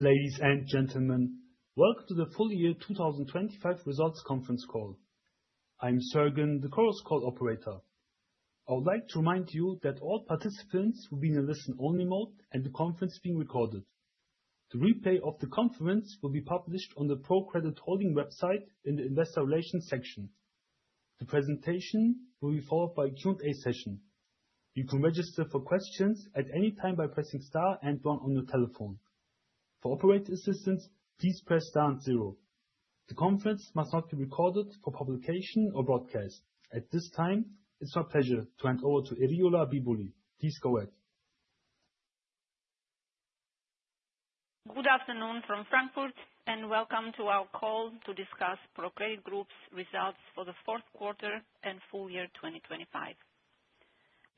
Ladies and gentlemen, welcome to the full year 2025 results conference call. I'm Sergen, the conference call operator. I would like to remind you that all participants will be in a listen-only mode and the conference is being recorded. The replay of the conference will be published on the ProCredit Holding website in the Investor Relations section. The presentation will be followed by a Q&A session. You can register for questions at any time by pressing star and one on your telephone. For operator assistance, please press star and zero. The conference must not be recorded for publication or broadcast. At this time, it's my pleasure to hand over to Eriola Bibolli. Please go ahead. Good afternoon from Frankfurt and welcome to our call to discuss ProCredit Group's results for the fourth quarter and full year 2025.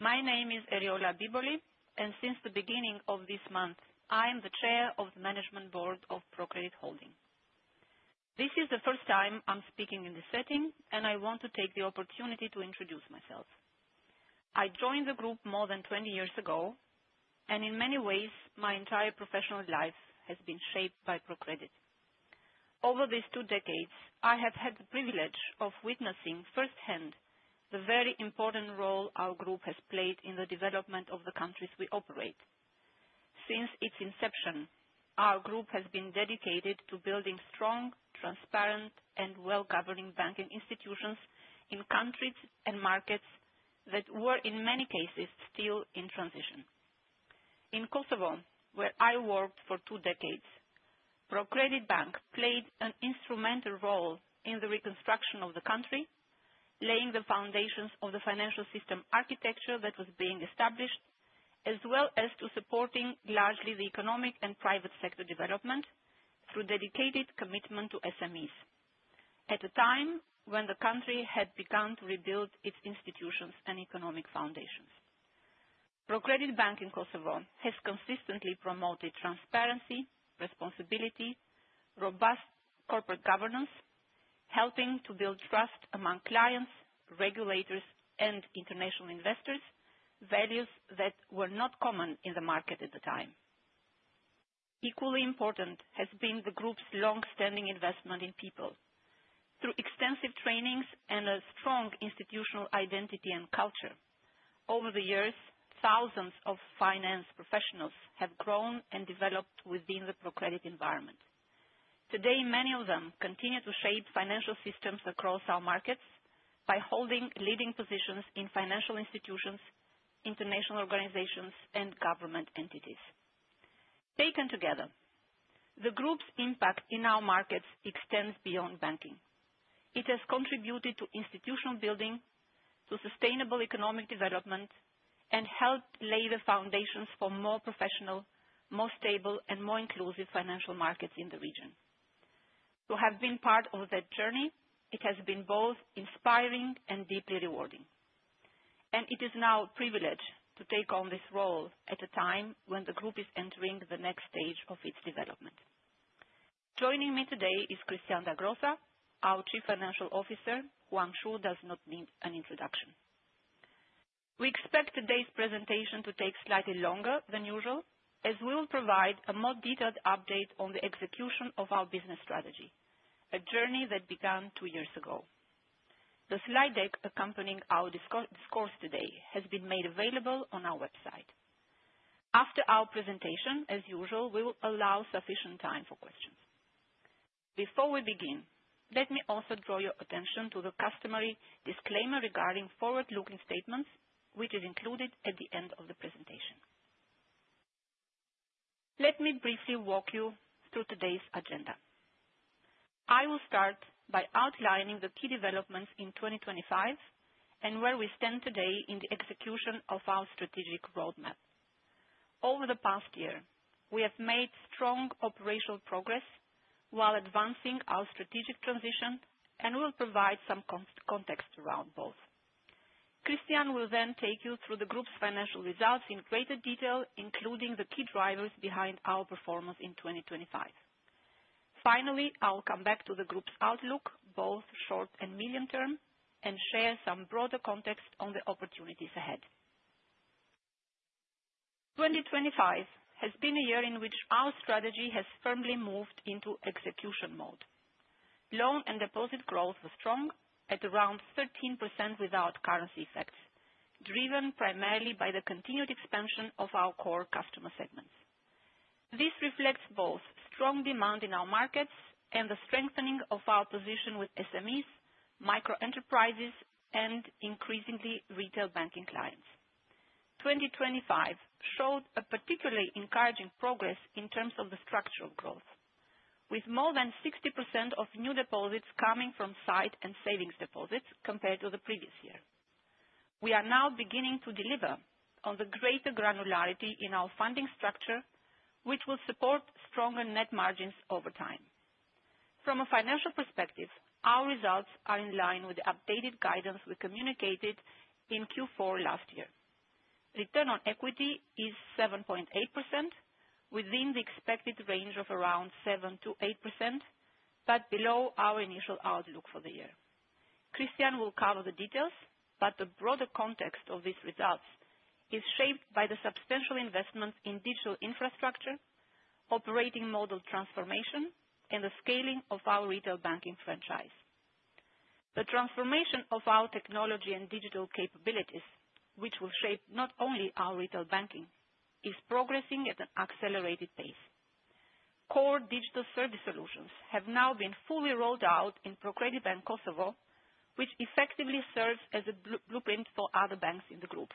My name is Eriola Bibolli, and since the beginning of this month, I am the Chair of the Management Board of ProCredit Holding. This is the first time I'm speaking in this setting, and I want to take the opportunity to introduce myself. I joined the group more than 20 years ago, and in many ways, my entire professional life has been shaped by ProCredit. Over these two decades, I have had the privilege of witnessing firsthand the very important role our group has played in the development of the countries we operate. Since its inception, our group has been dedicated to building strong, transparent, and well-governing banking institutions in countries and markets that were, in many cases, still in transition. In Kosovo, where I worked for two decades, ProCredit Bank played an instrumental role in the reconstruction of the country, laying the foundations of the financial system architecture that was being established, as well as to supporting largely the economic and private sector development through dedicated commitment to SMEs at a time when the country had begun to rebuild its institutions and economic foundations. ProCredit Bank in Kosovo has consistently promoted transparency, responsibility, robust corporate governance, helping to build trust among clients, regulators, and international investors, values that were not common in the market at the time. Equally important has been the group's longstanding investment in people through extensive trainings and a strong institutional identity and culture. Over the years, thousands of finance professionals have grown and developed within the ProCredit environment. Today, many of them continue to shape financial systems across our markets by holding leading positions in financial institutions, international organizations, and government entities. Taken together, the group's impact in our markets extends beyond banking. It has contributed to institutional building, to sustainable economic development, and helped lay the foundations for more professional, more stable, and more inclusive financial markets in the region. To have been part of that journey, it has been both inspiring and deeply rewarding, and it is now a privilege to take on this role at a time when the group is entering the next stage of its development. Joining me today is Christian Dagrosa, our Chief Financial Officer, who I'm sure does not need an introduction. We expect today's presentation to take slightly longer than usual as we will provide a more detailed update on the execution of our business strategy, a journey that began two years ago. The slide deck accompanying our discourse today has been made available on our website. After our presentation, as usual, we will allow sufficient time for questions. Before we begin, let me also draw your attention to the customary disclaimer regarding forward-looking statements, which is included at the end of the presentation. Let me briefly walk you through today's agenda. I will start by outlining the key developments in 2025 and where we stand today in the execution of our strategic roadmap. Over the past year, we have made strong operational progress while advancing our strategic transition and will provide some context around both. Christian will take you through the group's financial results in greater detail, including the key drivers behind our performance in 2025. Finally, I will come back to the group's outlook, both short and medium-term, and share some broader context on the opportunities ahead. 2025 has been a year in which our strategy has firmly moved into execution mode. Loan and deposit growth was strong at around 13% without currency effects, driven primarily by the continued expansion of our core customer segments. This reflects both strong demand in our markets and the strengthening of our position with SMEs, micro-enterprises, and increasingly retail banking clients. 2025 showed a particularly encouraging progress in terms of the structural growth, with more than 60% of new deposits coming from sight and savings deposits compared to the previous year. We are now beginning to deliver on the greater granularity in our funding structure, which will support stronger net margins over time. From a financial perspective, our results are in line with the updated guidance we communicated in Q4 last year. Return on equity is 7.8%, within the expected range of around 7%-8%, but below our initial outlook for the year. Christian will cover the details, the broader context of these results is shaped by the substantial investments in digital infrastructure, operating model transformation, and the scaling of our retail banking franchise. The transformation of our technology and digital capabilities, which will shape not only our retail banking, is progressing at an accelerated pace. Core digital service solutions have now been fully rolled out in ProCredit Bank Kosovo, which effectively serves as a blueprint for other banks in the group.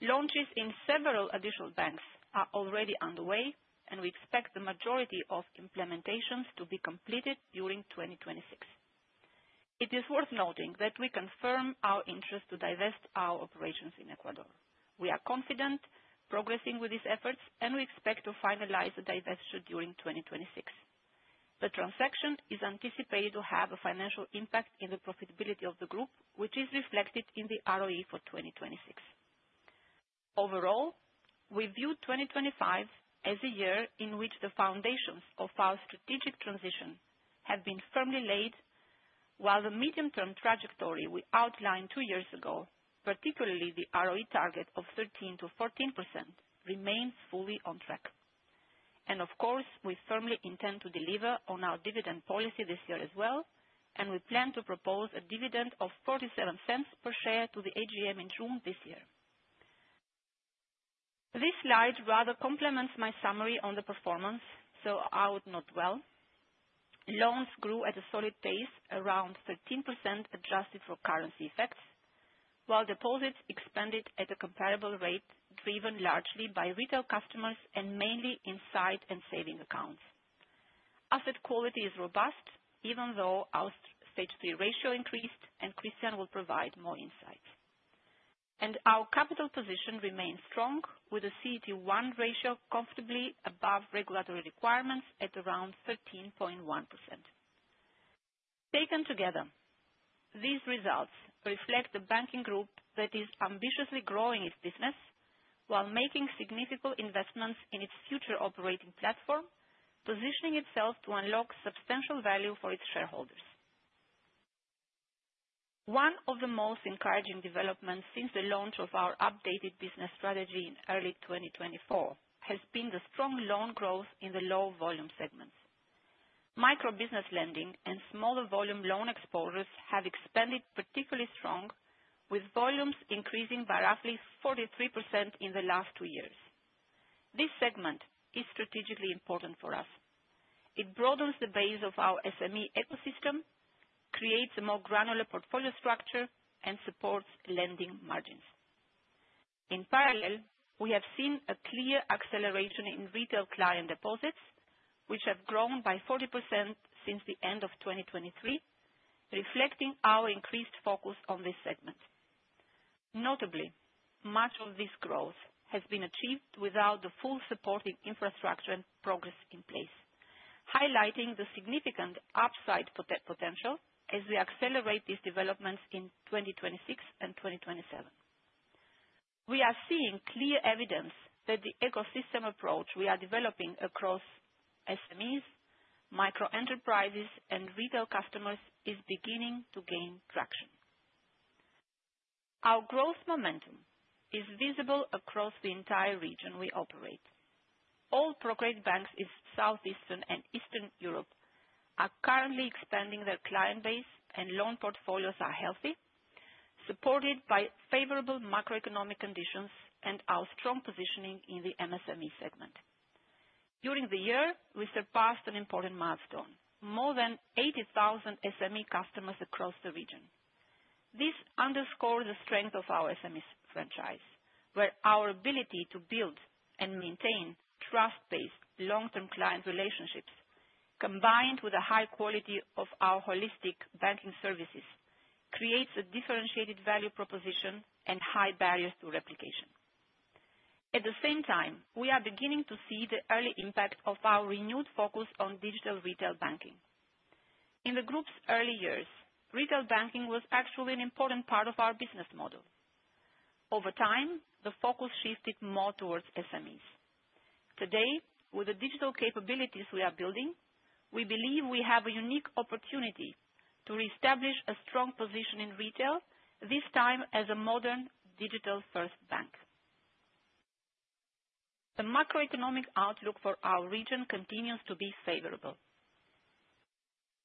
Launches in several additional banks are already underway, and we expect the majority of implementations to be completed during 2026. It is worth noting that we confirm our interest to divest our operations in Ecuador. We are confident progressing with these efforts, and we expect to finalize the divesture during 2026. The transaction is anticipated to have a financial impact on the profitability of the group, which is reflected in the ROE for 2026. Overall, we view 2025 as a year in which the foundations of our strategic transition have been firmly laid, while the medium-term trajectory we outlined two years ago, particularly the ROE target of 13%-14%, remains fully on track. Of course, we firmly intend to deliver on our dividend policy this year as well, and we plan to propose a dividend of 0.47 per share to the AGM in June this year. This slide rather complements my summary on the performance. I would note well. Loans grew at a solid pace around 13% adjusted for currency effects, while deposits expanded at a comparable rate, driven largely by retail customers and mainly inside and saving accounts. Asset quality is robust, even though our Stage 3 ratio increased, and Christian will provide more insight. Our capital position remains strong with a CET1 ratio comfortably above regulatory requirements at around 13.1%. Taken together, these results reflect the banking group that is ambitiously growing its business while making significant investments in its future operating platform, positioning itself to unlock substantial value for its shareholders. One of the most encouraging developments since the launch of our updated business strategy in early 2024 has been the strong loan growth in the low volume segments. Micro business lending and smaller volume loan exposures have expanded particularly strong, with volumes increasing by roughly 43% in the last two years. This segment is strategically important for us. It broadens the base of our SME ecosystem, creates a more granular portfolio structure, and supports lending margins. In parallel, we have seen a clear acceleration in retail client deposits, which have grown by 40% since the end of 2023, reflecting our increased focus on this segment. Notably, much of this growth has been achieved without the full supporting infrastructure and progress in place, highlighting the significant upside potential as we accelerate these developments in 2026 and 2027. We are seeing clear evidence that the ecosystem approach we are developing across SMEs, micro-enterprises, and retail customers is beginning to gain traction. Our growth momentum is visible across the entire region we operate. All ProCredit banks in Southeastern and Eastern Europe are currently expanding their client base, and loan portfolios are healthy, supported by favorable macroeconomic conditions and our strong positioning in the MSME segment. During the year, we surpassed an important milestone. More than 80,000 SME customers across the region. This underscores the strength of our SMEs franchise, where our ability to build and maintain trust-based long-term client relationships, combined with the high quality of our holistic banking services, creates a differentiated value proposition and high barriers to replication. At the same time, we are beginning to see the early impact of our renewed focus on digital retail banking. In the group's early years, retail banking was actually an important part of our business model. Over time, the focus shifted more towards SMEs. Today, with the digital capabilities we are building, we believe we have a unique opportunity to reestablish a strong position in retail, this time as a modern digital-first bank. The macroeconomic outlook for our region continues to be favorable.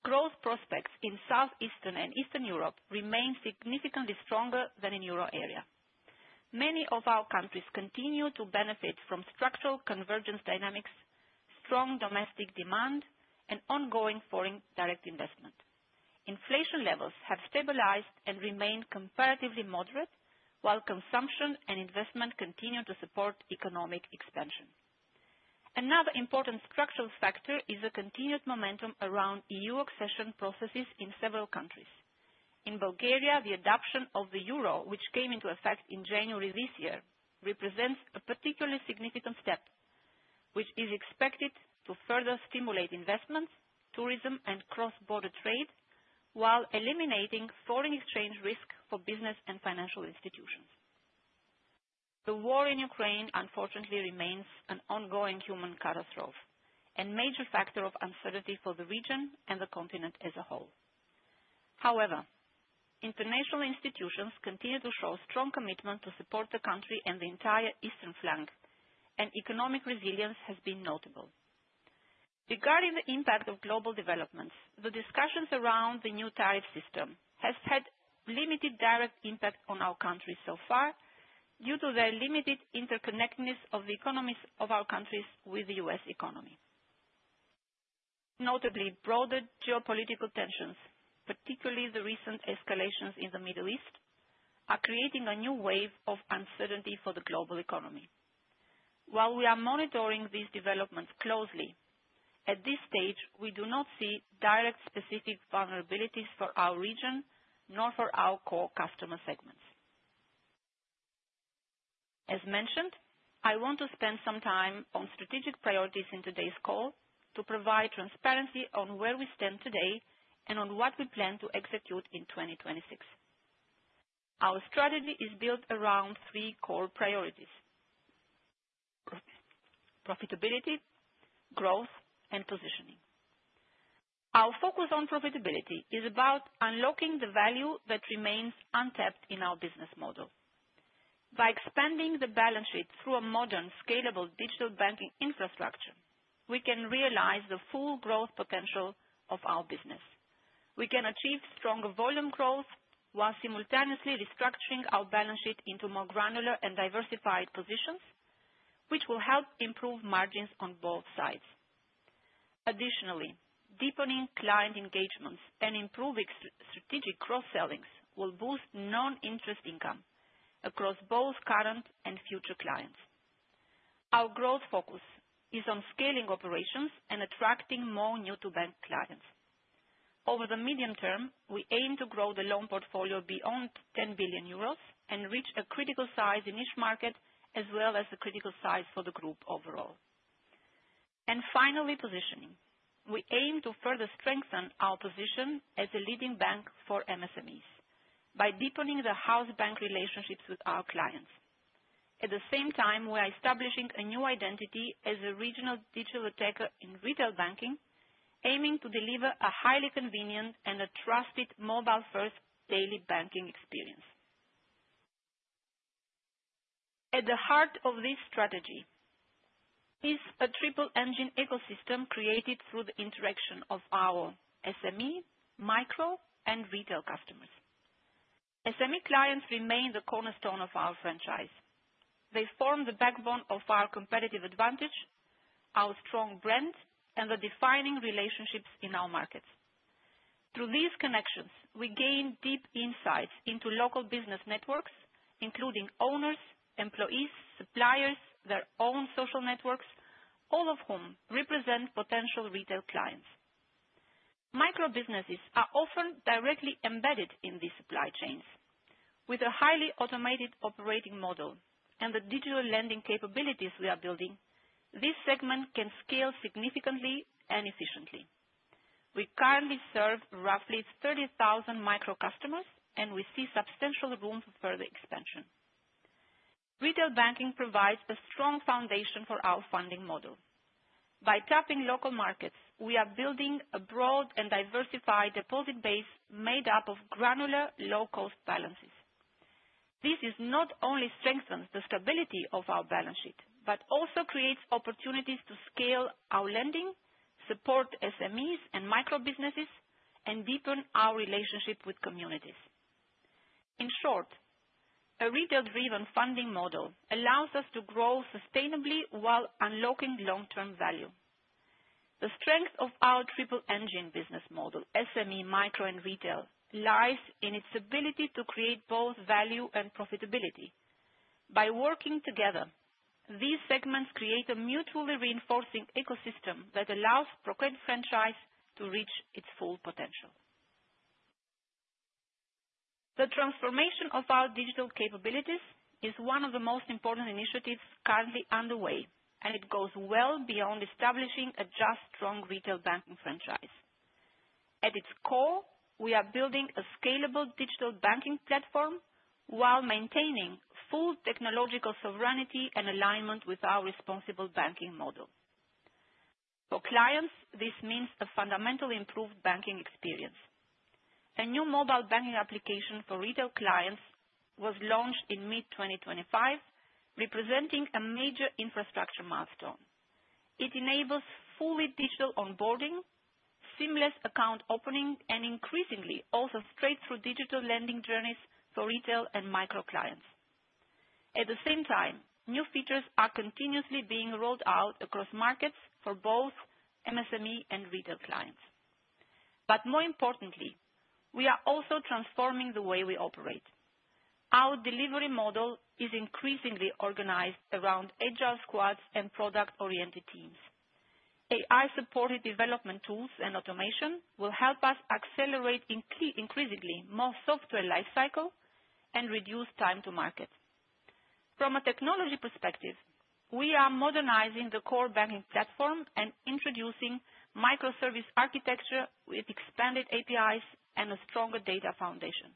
Growth prospects in Southeastern and Eastern Europe remain significantly stronger than in Euro area. Many of our countries continue to benefit from structural convergence dynamics, strong domestic demand, and ongoing foreign direct investment. Inflation levels have stabilized and remain comparatively moderate, while consumption and investment continue to support economic expansion. Another important structural factor is the continued momentum around EU accession processes in several countries. In Bulgaria, the adoption of the euro, which came into effect in January this year, represents a particularly significant step, which is expected to further stimulate investments, tourism, and cross-border trade while eliminating foreign exchange risk for business and financial institutions. The war in Ukraine, unfortunately, remains an ongoing human catastrophe and major factor of uncertainty for the region and the continent as a whole. However, international institutions continue to show strong commitment to support the country and the entire eastern flank, and economic resilience has been notable. Regarding the impact of global developments, the discussions around the new tariff system has had limited direct impact on our country so far, due to their limited interconnectedness of the economies of our countries with the U.S. economy. Notably, broader geopolitical tensions, particularly the recent escalations in the Middle East, are creating a new wave of uncertainty for the global economy. While we are monitoring these developments closely, at this stage, we do not see direct specific vulnerabilities for our region, nor for our core customer segments. As mentioned, I want to spend some time on strategic priorities in today's call to provide transparency on where we stand today and on what we plan to execute in 2026. Our strategy is built around three core priorities. Profitability, growth, and positioning. Our focus on profitability is about unlocking the value that remains untapped in our business model. By expanding the balance sheet through a modern, scalable digital banking infrastructure, we can realize the full growth potential of our business. We can achieve stronger volume growth while simultaneously restructuring our balance sheet into more granular and diversified positions, which will help improve margins on both sides. Additionally, deepening client engagements and improving strategic cross-selling will boost non-interest income across both current and future clients. Our growth focus is on scaling operations and attracting more new-to-bank clients. Over the medium term, we aim to grow the loan portfolio beyond 10 billion euros and reach a critical size in each market, as well as a critical size for the group overall. Finally, positioning. We aim to further strengthen our position as a leading bank for MSMEs by deepening the house bank relationships with our clients. At the same time, we are establishing a new identity as a regional digital attacker in retail banking, aiming to deliver a highly convenient and a trusted mobile-first daily banking experience. At the heart of this strategy is a triple engine ecosystem created through the interaction of our SME, micro, and retail customers. SME clients remain the cornerstone of our franchise. They form the backbone of our competitive advantage, our strong brand, and the defining relationships in our markets. Through these connections, we gain deep insights into local business networks, including owners, employees, suppliers, their own social networks, all of whom represent potential retail clients. Micro businesses are often directly embedded in these supply chains. With a highly automated operating model and the digital lending capabilities we are building, this segment can scale significantly and efficiently. We currently serve roughly 30,000 micro customers, and we see substantial room for further expansion. Retail banking provides a strong foundation for our funding model. By tapping local markets, we are building a broad and diversified deposit base made up of granular low-cost balances. This not only strengthens the stability of our balance sheet, but also creates opportunities to scale our lending, support SMEs and micro businesses, and deepen our relationship with communities. In short, a retail-driven funding model allows us to grow sustainably while unlocking long-term value. The strength of our triple engine business model, SME, micro, and retail, lies in its ability to create both value and profitability. By working together, these segments create a mutually reinforcing ecosystem that allows ProCredit franchise to reach its full potential. The transformation of our digital capabilities is one of the most important initiatives currently underway, and it goes well beyond establishing a just strong retail banking franchise. At its core, we are building a scalable digital banking platform while maintaining full technological sovereignty and alignment with our responsible banking model. For clients, this means a fundamentally improved banking experience. A new mobile banking application for retail clients was launched in mid-2025, representing a major infrastructure milestone. It enables fully digital onboarding, seamless account opening, and increasingly, also straight-through digital lending journeys for retail and micro clients. At the same time, new features are continuously being rolled out across markets for both MSME and retail clients. More importantly, we are also transforming the way we operate. Our delivery model is increasingly organized around agile squads and product-oriented teams. AI-supported development tools and automation will help us accelerate increasingly more software lifecycle and reduce time to market. From a technology perspective, we are modernizing the core banking platform and introducing microservice architecture with expanded APIs and a stronger data foundation.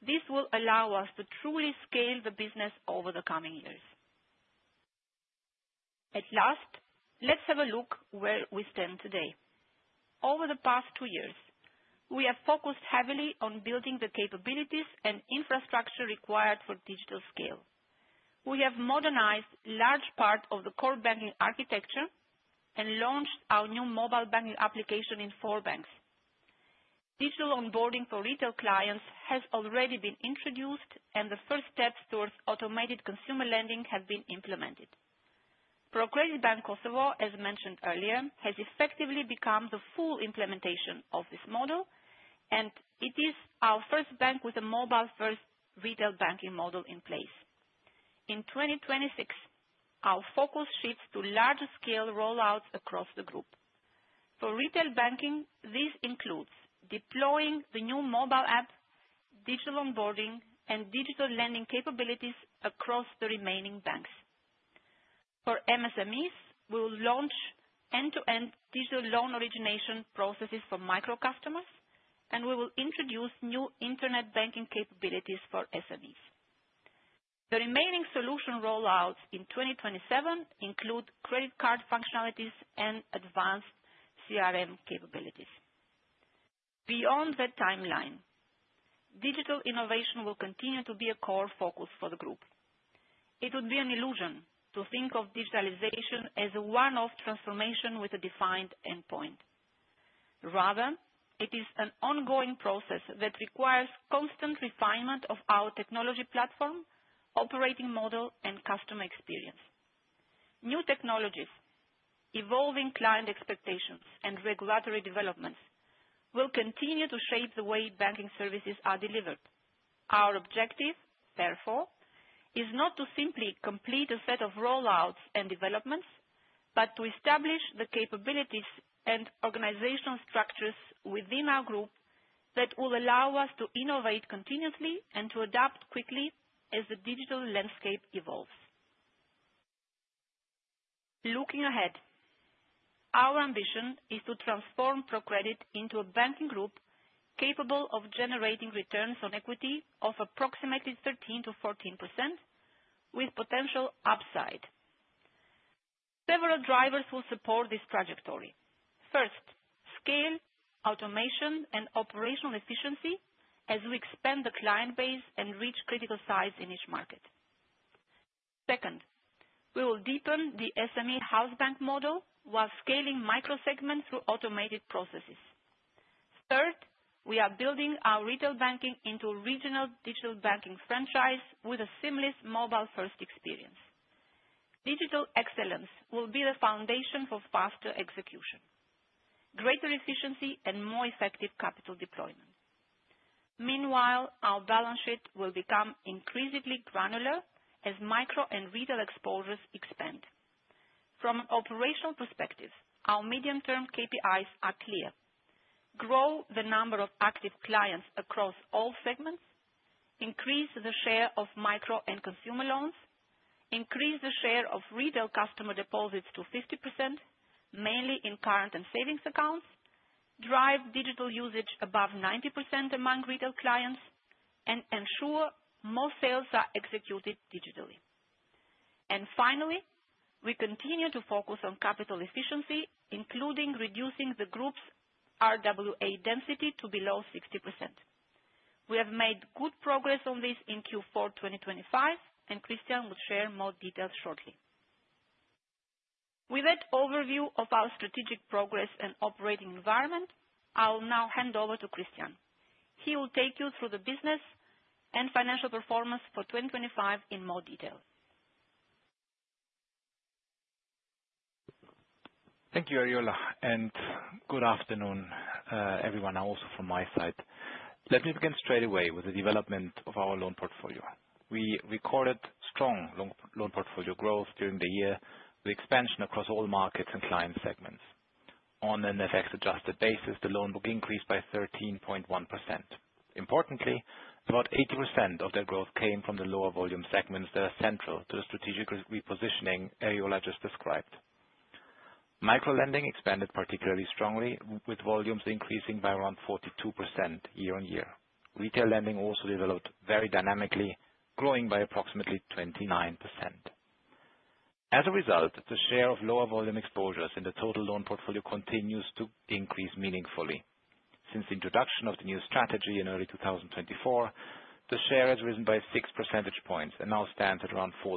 This will allow us to truly scale the business over the coming years. At last, let's have a look where we stand today. Over the past two years, we have focused heavily on building the capabilities and infrastructure required for digital scale. We have modernized large part of the core banking architecture and launched our new mobile banking application in four banks. Digital onboarding for retail clients has already been introduced, and the first steps towards automated consumer lending have been implemented. ProCredit Bank Kosovo, as mentioned earlier, has effectively become the full implementation of this model, and it is our first bank with a mobile first retail banking model in place. In 2026, our focus shifts to larger scale rollouts across the group. For retail banking, this includes deploying the new mobile app, digital onboarding, and digital lending capabilities across the remaining banks. For MSMEs, we will launch end-to-end digital loan origination processes for micro customers, and we will introduce new internet banking capabilities for SMEs. The remaining solution rollouts in 2027 include credit card functionalities and advanced CRM capabilities. Beyond that timeline, digital innovation will continue to be a core focus for the group. It would be an illusion to think of digitalization as a one-off transformation with a defined endpoint. Rather, it is an ongoing process that requires constant refinement of our technology platform, operating model, and customer experience. New technologies, evolving client expectations, and regulatory developments will continue to shape the way banking services are delivered. Our objective, therefore, is not to simply complete a set of rollouts and developments, but to establish the capabilities and organizational structures within our group that will allow us to innovate continuously and to adapt quickly as the digital landscape evolves. Looking ahead, our ambition is to transform ProCredit into a banking group capable of generating returns on equity of approximately 13%-14%, with potential upside. Several drivers will support this trajectory. First, scale, automation, and operational efficiency as we expand the client base and reach critical size in each market. Second, we will deepen the SME house bank model while scaling microsegments through automated processes. Third, we are building our retail banking into regional digital banking franchise with a seamless mobile-first experience. Digital excellence will be the foundation for faster execution, greater efficiency, and more effective capital deployment. Meanwhile, our balance sheet will become increasingly granular as micro and retail exposures expand. From operational perspective, our medium-term KPIs are clear. Grow the number of active clients across all segments, increase the share of micro and consumer loans, increase the share of retail customer deposits to 50%, mainly in current and savings accounts, drive digital usage above 90% among retail clients, and ensure most sales are executed digitally. Finally, we continue to focus on capital efficiency, including reducing the group's RWA density to below 60%. We have made good progress on this in Q4 2025. Christian will share more details shortly. With that overview of our strategic progress and operating environment, I will now hand over to Christian. He will take you through the business and financial performance for 2025 in more detail. Thank you, Eriola. Good afternoon, everyone also from my side. Let me begin straight away with the development of our loan portfolio. We recorded strong loan portfolio growth during the year, with expansion across all markets and client segments. On an FX-adjusted basis, the loan book increased by 13.1%. Importantly, about 80% of that growth came from the lower volume segments that are central to the strategic repositioning Eriola just described. Micro lending expanded particularly strongly, with volumes increasing by around 42% year on year. Retail lending also developed very dynamically, growing by approximately 29%. As a result, the share of lower volume exposures in the total loan portfolio continues to increase meaningfully. Since the introduction of the new strategy in early 2024, the share has risen by 6 percentage points and now stands at around 48%.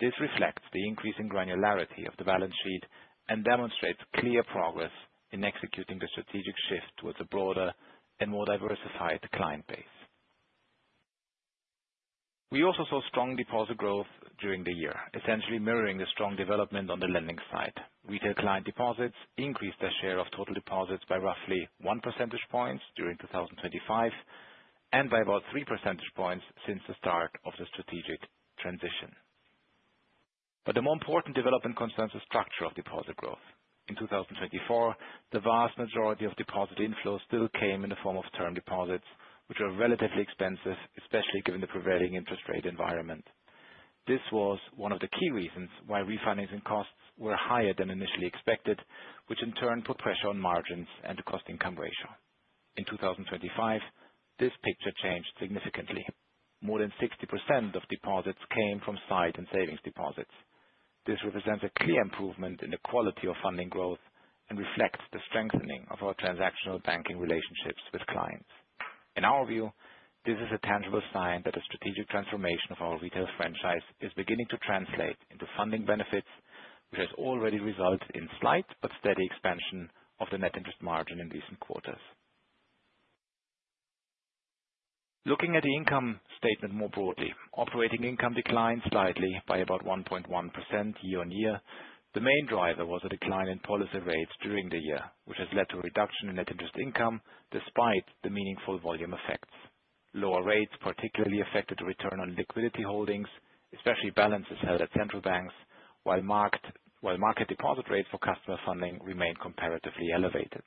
This reflects the increase in granularity of the balance sheet and demonstrates clear progress in executing the strategic shift towards a broader and more diversified client base. We also saw strong deposit growth during the year, essentially mirroring the strong development on the lending side. Retail client deposits increased their share of total deposits by roughly 1 percentage points during 2025 and by about 3 percentage points since the start of the strategic transition. The more important development concerns the structure of deposit growth. In 2024, the vast majority of deposit inflows still came in the form of term deposits, which are relatively expensive, especially given the prevailing interest rate environment. This was one of the key reasons why refinancing costs were higher than initially expected, which in turn put pressure on margins and the cost-income ratio. In 2025, this picture changed significantly. More than 60% of deposits came from sight and savings deposits. This represents a clear improvement in the quality of funding growth and reflects the strengthening of our transactional banking relationships with clients. In our view, this is a tangible sign that a strategic transformation of our retail franchise is beginning to translate into funding benefits, which has already resulted in slight but steady expansion of the net interest margin in recent quarters. Looking at the income statement more broadly, operating income declined slightly by about 1.1% year-on-year. The main driver was a decline in policy rates during the year, which has led to a reduction in net interest income despite the meaningful volume effects. Lower rates particularly affected the return on liquidity holdings, especially balances held at central banks, while market deposit rates for customer funding remained comparatively elevated.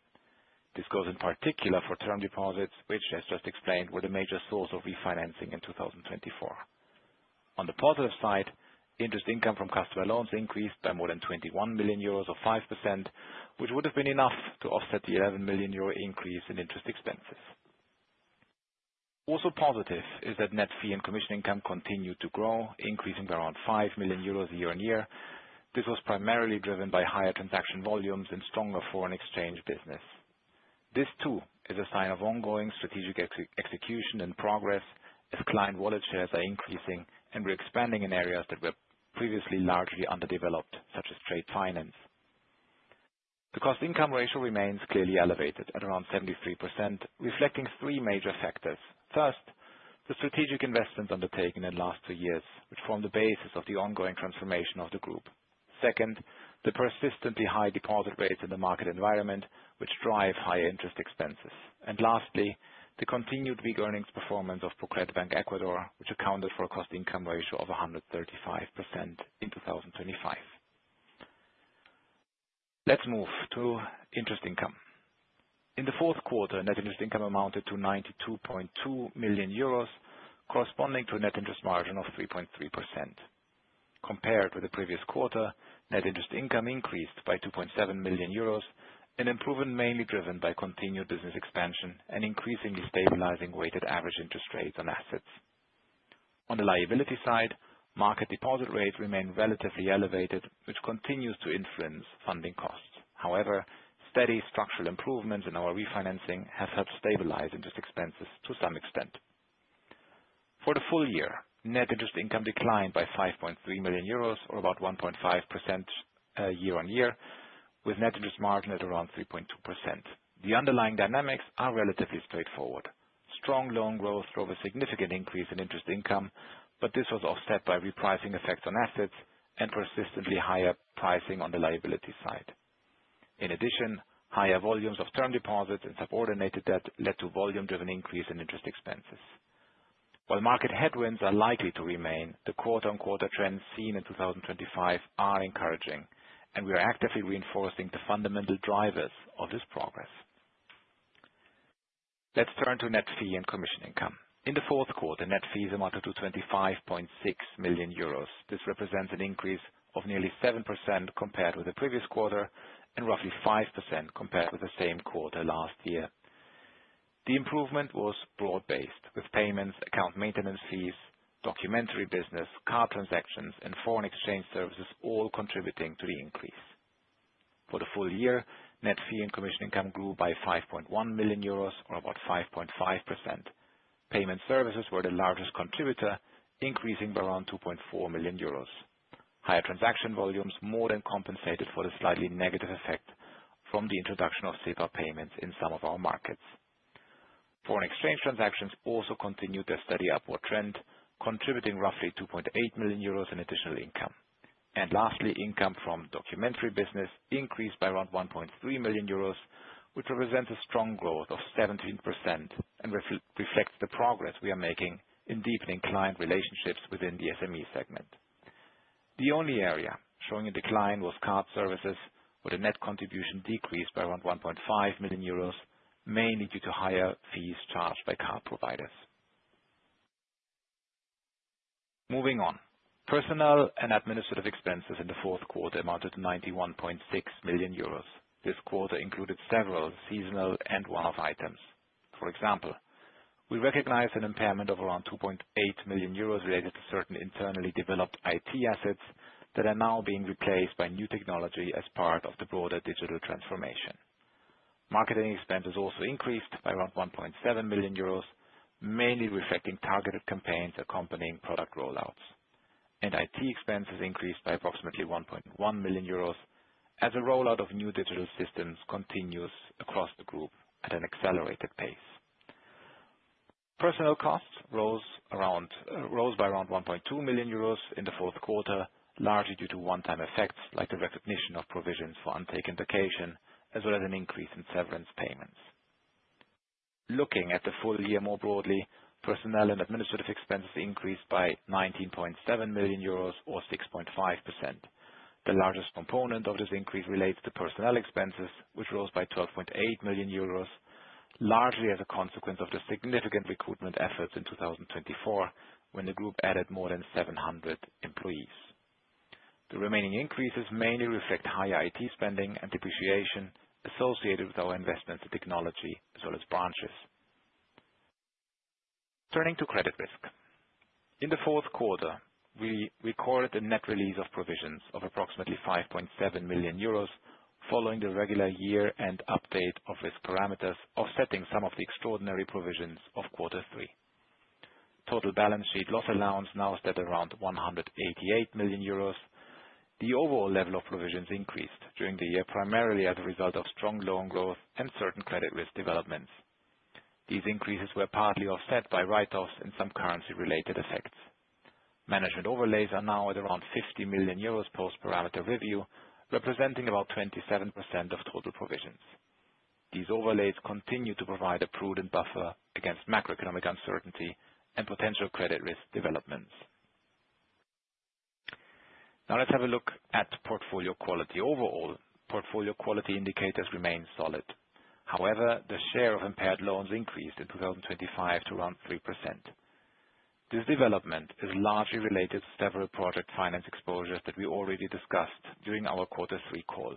This goes in particular for term deposits, which, as just explained, were the major source of refinancing in 2024. On the positive side, interest income from customer loans increased by more than 21 million euros or 5%, which would have been enough to offset the 11 million euro increase in interest expenses. Positive is that net fee and commission income continued to grow, increasing by around 5 million euros year-on-year. This was primarily driven by higher transaction volumes and stronger foreign exchange business. This too, is a sign of ongoing strategic execution and progress as client wallet shares are increasing and we're expanding in areas that were previously largely underdeveloped, such as trade finance. The cost-income ratio remains clearly elevated at around 73%, reflecting three major factors. First, the strategic investments undertaken in the last two years, which form the basis of the ongoing transformation of the ProCredit Group. Second, the persistently high deposit rates in the market environment, which drive high interest expenses. Lastly, the continued big earnings performance of ProCredit Bank Ecuador, which accounted for a cost-income ratio of 135% in 2025. Let's move to interest income. In the fourth quarter, net interest income amounted to 92.2 million euros, corresponding to a net interest margin of 3.3%. Compared with the previous quarter, net interest income increased by 2.7 million euros, an improvement mainly driven by continued business expansion and increasingly stabilizing weighted average interest rates on assets. On the liability side, market deposit rates remain relatively elevated, which continues to influence funding costs. However, steady structural improvements in our refinancing have helped stabilize interest expenses to some extent. For the full year, net interest income declined by 5.3 million euros or about 1.5% year-on-year, with net interest margin at around 3.2%. The underlying dynamics are relatively straightforward. Strong loan growth drove a significant increase in interest income, this was offset by repricing effects on assets and persistently higher pricing on the liability side. In addition, higher volumes of term deposits and subordinated debt led to volume-driven increase in interest expenses. While market headwinds are likely to remain, the quarter-on-quarter trends seen in 2025 are encouraging, we are actively reinforcing the fundamental drivers of this progress. Let's turn to net fee and commission income. In the fourth quarter, net fees amounted to 25.6 million euros. This represents an increase of nearly 7% compared with the previous quarter and roughly 5% compared with the same quarter last year. The improvement was broad-based, with payments, account maintenance fees, documentary business, card transactions, and foreign exchange services all contributing to the increase. For the full year, net fee and commission income grew by 5.1 million euros or about 5.5%. Payment services were the largest contributor, increasing by around 2.4 million euros. Higher transaction volumes more than compensated for the slightly negative effect from the introduction of SEPA payments in some of our markets. Foreign exchange transactions also continued their steady upward trend, contributing roughly 2.8 million euros in additional income. Lastly, income from documentary business increased by around 1.3 million euros, which represents a strong growth of 17% and reflects the progress we are making in deepening client relationships within the SME segment. The only area showing a decline was card services, where the net contribution decreased by around 1.5 million euros, mainly due to higher fees charged by card providers. Moving on. Personnel and administrative expenses in the fourth quarter amounted to 91.6 million euros. This quarter included several seasonal and one-off items. For example, we recognized an impairment of around 2.8 million euros related to certain internally developed IT assets that are now being replaced by new technology as part of the broader digital transformation. Marketing expenses also increased by around 1.7 million euros, mainly reflecting targeted campaigns accompanying product rollouts. IT expenses increased by approximately 1.1 million euros as a rollout of new digital systems continues across the group at an accelerated pace. Personnel costs rose by around 1.2 million euros in the fourth quarter, largely due to one-time effects like the recognition of provisions for untaken vacation, as well as an increase in severance payments. Looking at the full year more broadly, personnel and administrative expenses increased by 19.7 million euros or 6.5%. The largest component of this increase relates to personnel expenses, which rose by 12.8 million euros, largely as a consequence of the significant recruitment efforts in 2024, when the group added more than 700 employees. The remaining increases mainly reflect higher IT spending and depreciation associated with our investments in technology as well as branches. Turning to credit risk. In the fourth quarter, we recorded a net release of provisions of approximately 5.7 million euros, following the regular year-end update of its parameters, offsetting some of the extraordinary provisions of quarter three. Total balance sheet loss allowance now stands around 188 million euros. The overall level of provisions increased during the year, primarily as a result of strong loan growth and certain credit risk developments. These increases were partly offset by write-offs and some currency-related effects. Management overlays are now at around 50 million euros post-parameter review, representing about 27% of total provisions. These overlays continue to provide a prudent buffer against macroeconomic uncertainty and potential credit risk developments. Let's have a look at portfolio quality. Overall, portfolio quality indicators remain solid. However, the share of impaired loans increased in 2025 to around 3%. This development is largely related to several project finance exposures that we already discussed during our quarter three call.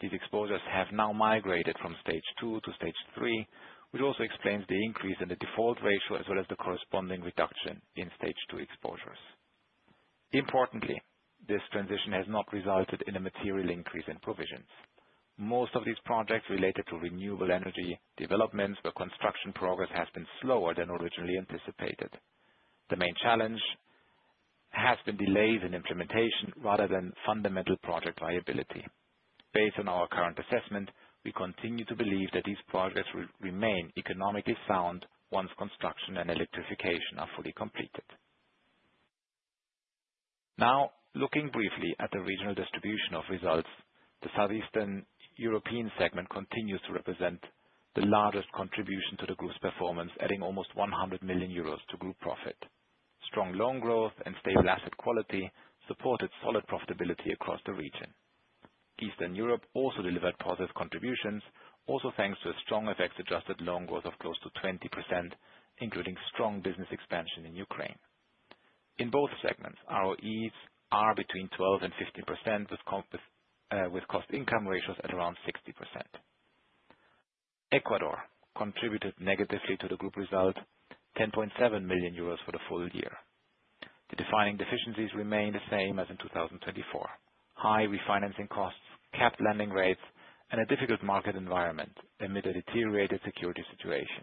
These exposures have now migrated from Stage 2 to Stage 3, which also explains the increase in the default ratio as well as the corresponding reduction in Stage 2 exposures. Importantly, this transition has not resulted in a material increase in provisions. Most of these projects related to renewable energy developments, where construction progress has been slower than originally anticipated. The main challenge has been delays in implementation rather than fundamental project viability. Based on our current assessment, we continue to believe that these projects will remain economically sound once construction and electrification are fully completed. Looking briefly at the regional distribution of results, the Southeastern European segment continues to represent the largest contribution to the group's performance, adding almost 100 million euros to group profit. Strong loan growth and stable asset quality supported solid profitability across the region. Eastern Europe also delivered positive contributions, also thanks to a strong effects-adjusted loan growth of close to 20%, including strong business expansion in Ukraine. In both segments, ROEs are between 12% and 15%, with cost-to-income ratios at around 60%. Ecuador contributed negatively to the group result, 10.7 million euros for the full year. The defining deficiencies remain the same as in 2024: high refinancing costs, capped lending rates, and a difficult market environment amid a deteriorated security situation.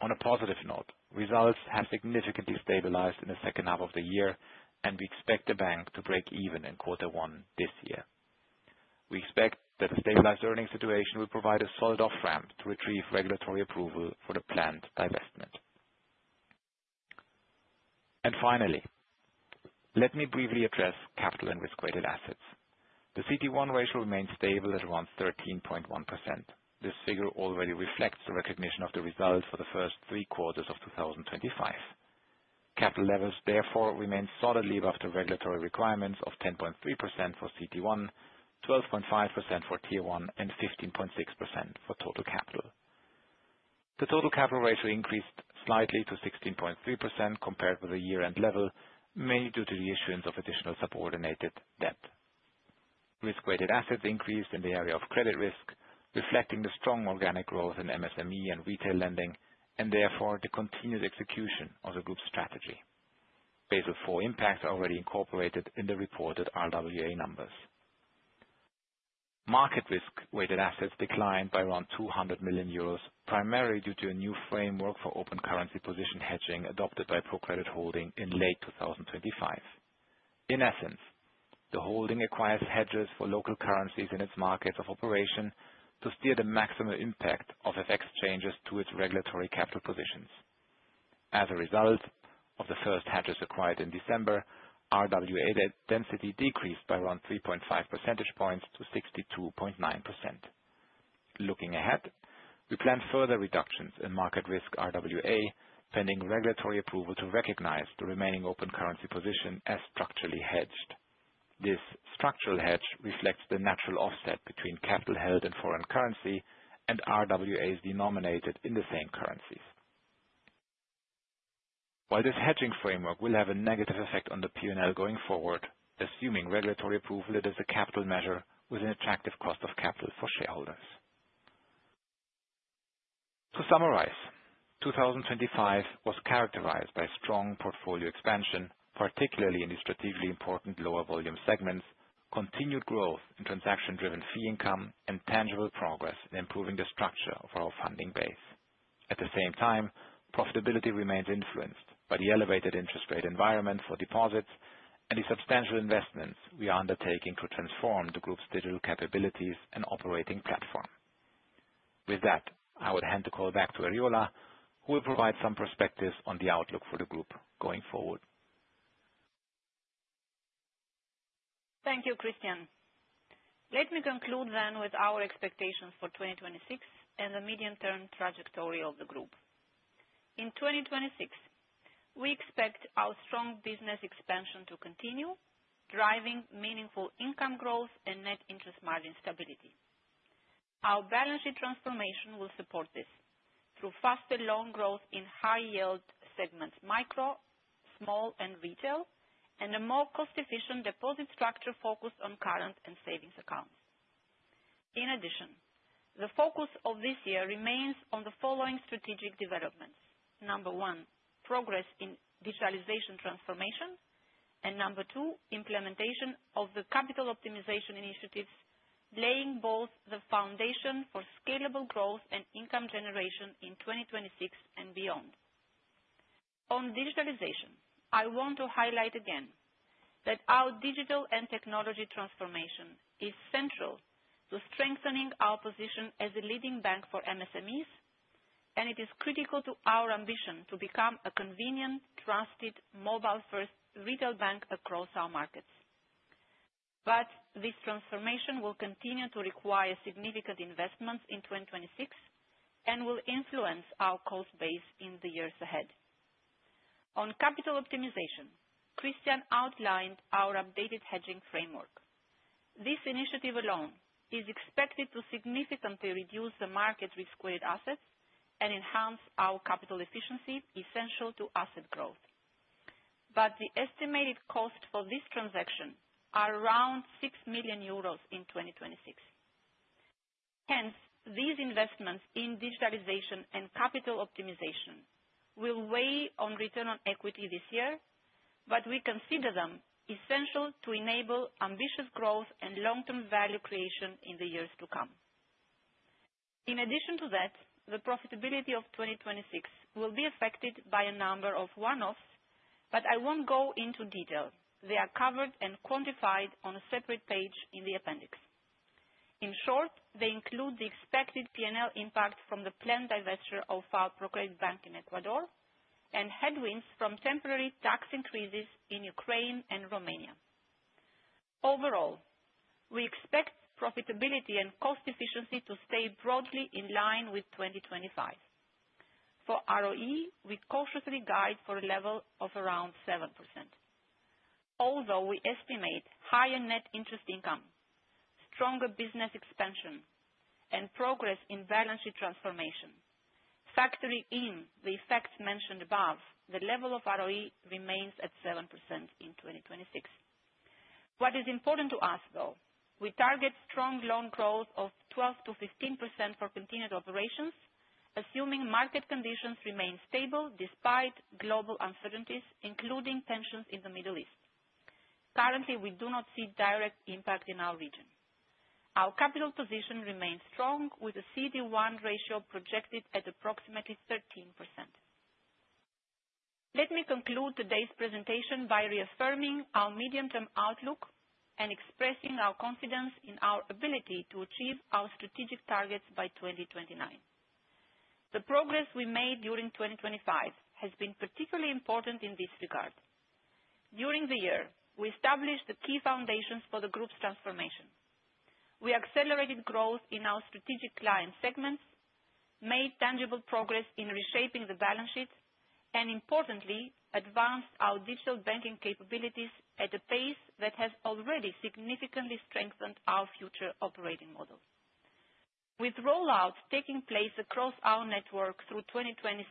On a positive note, results have significantly stabilized in the second half of the year, and we expect the bank to break even in quarter one this year. We expect that the stabilized earning situation will provide a solid off-ramp to retrieve regulatory approval for the planned divestment. Finally, let me briefly address capital and risk-weighted assets. The CET1 ratio remains stable at around 13.1%. This figure already reflects the recognition of the results for the first three quarters of 2025. Capital levels therefore remain solidly above the regulatory requirements of 10.3% for CET1, 12.5% for Tier 1, and 15.6% for total capital. The total capital ratio increased slightly to 16.3% compared with the year-end level, mainly due to the issuance of additional subordinated debt. Risk-weighted assets increased in the area of credit risk, reflecting the strong organic growth in MSME and retail lending, and therefore the continued execution of the group strategy. Basel IV impacts are already incorporated in the reported RWA numbers. Market risk-weighted assets declined by around 200 million euros, primarily due to a new framework for open currency position hedging adopted by ProCredit Holding in late 2025. In essence, the holding acquires hedges for local currencies in its markets of operation to steer the maximum impact of FX changes to its regulatory capital positions. As a result of the first hedges acquired in December, RWA density decreased by around 3.5 percentage points to 62.9%. Looking ahead, we plan further reductions in market risk RWA, pending regulatory approval to recognize the remaining open currency position as structurally hedged. This structural hedge reflects the natural offset between capital held in foreign currency and RWAs denominated in the same currencies. While this hedging framework will have a negative effect on the P&L going forward, assuming regulatory approval, it is a capital measure with an attractive cost of capital for shareholders. To summarize, 2025 was characterized by strong portfolio expansion, particularly in the strategically important lower volume segments, continued growth in transaction-driven fee income, and tangible progress in improving the structure of our funding base. At the same time, profitability remains influenced by the elevated interest rate environment for deposits and the substantial investments we are undertaking to transform the group's digital capabilities and operating platform. With that, I will hand the call back to Eriola, who will provide some perspectives on the outlook for the group going forward. Thank you, Christian. Let me conclude then with our expectations for 2026 and the medium-term trajectory of the group. In 2026, we expect our strong business expansion to continue, driving meaningful income growth and net interest margin stability. Our balance sheet transformation will support this through faster loan growth in high yield segments, micro, small, and retail, and a more cost-efficient deposit structure focused on current and savings accounts. In addition, the focus of this year remains on the following strategic developments. Number one, progress in digitalization transformation, and number two, implementation of the capital optimization initiatives, laying both the foundation for scalable growth and income generation in 2026 and beyond. On digitalization, I want to highlight again that our digital and technology transformation is central to strengthening our position as a leading bank for MSMEs, and it is critical to our ambition to become a convenient, trusted, mobile-first retail bank across our markets. This transformation will continue to require significant investments in 2026 and will influence our cost base in the years ahead. On capital optimization, Christian outlined our updated hedging framework. This initiative alone is expected to significantly reduce the market risk-weighted assets and enhance our capital efficiency, essential to asset growth. The estimated cost for this transaction are around 6 million euros in 2026. Hence, these investments in digitalization and capital optimization will weigh on return on equity this year, but we consider them essential to enable ambitious growth and long-term value creation in the years to come. In addition to that, the profitability of 2026 will be affected by a number of one-offs, but I won't go into detail. They are covered and quantified on a separate page in the appendix. In short, they include the expected P&L impact from the planned divesture of our ProCredit Bank Ecuador and headwinds from temporary tax increases in Ukraine and Romania. Overall, we expect profitability and cost efficiency to stay broadly in line with 2025. For ROE, we cautiously guide for a level of around 7%. Although we estimate higher net interest income, stronger business expansion, and progress in balance sheet transformation. Factoring in the effects mentioned above, the level of ROE remains at 7% in 2026. What is important to us, though, we target strong loan growth of 12%-15% for continued operations, assuming market conditions remain stable despite global uncertainties, including tensions in the Middle East. Currently, we do not see direct impact in our region. Our capital position remains strong, with a CET1 ratio projected at approximately 13%. Let me conclude today's presentation by reaffirming our medium-term outlook and expressing our confidence in our ability to achieve our strategic targets by 2029. The progress we made during 2025 has been particularly important in this regard. During the year, we established the key foundations for the group's transformation. We accelerated growth in our strategic client segments, made tangible progress in reshaping the balance sheet, and importantly, advanced our digital banking capabilities at a pace that has already significantly strengthened our future operating model. With rollouts taking place across our network through 2026,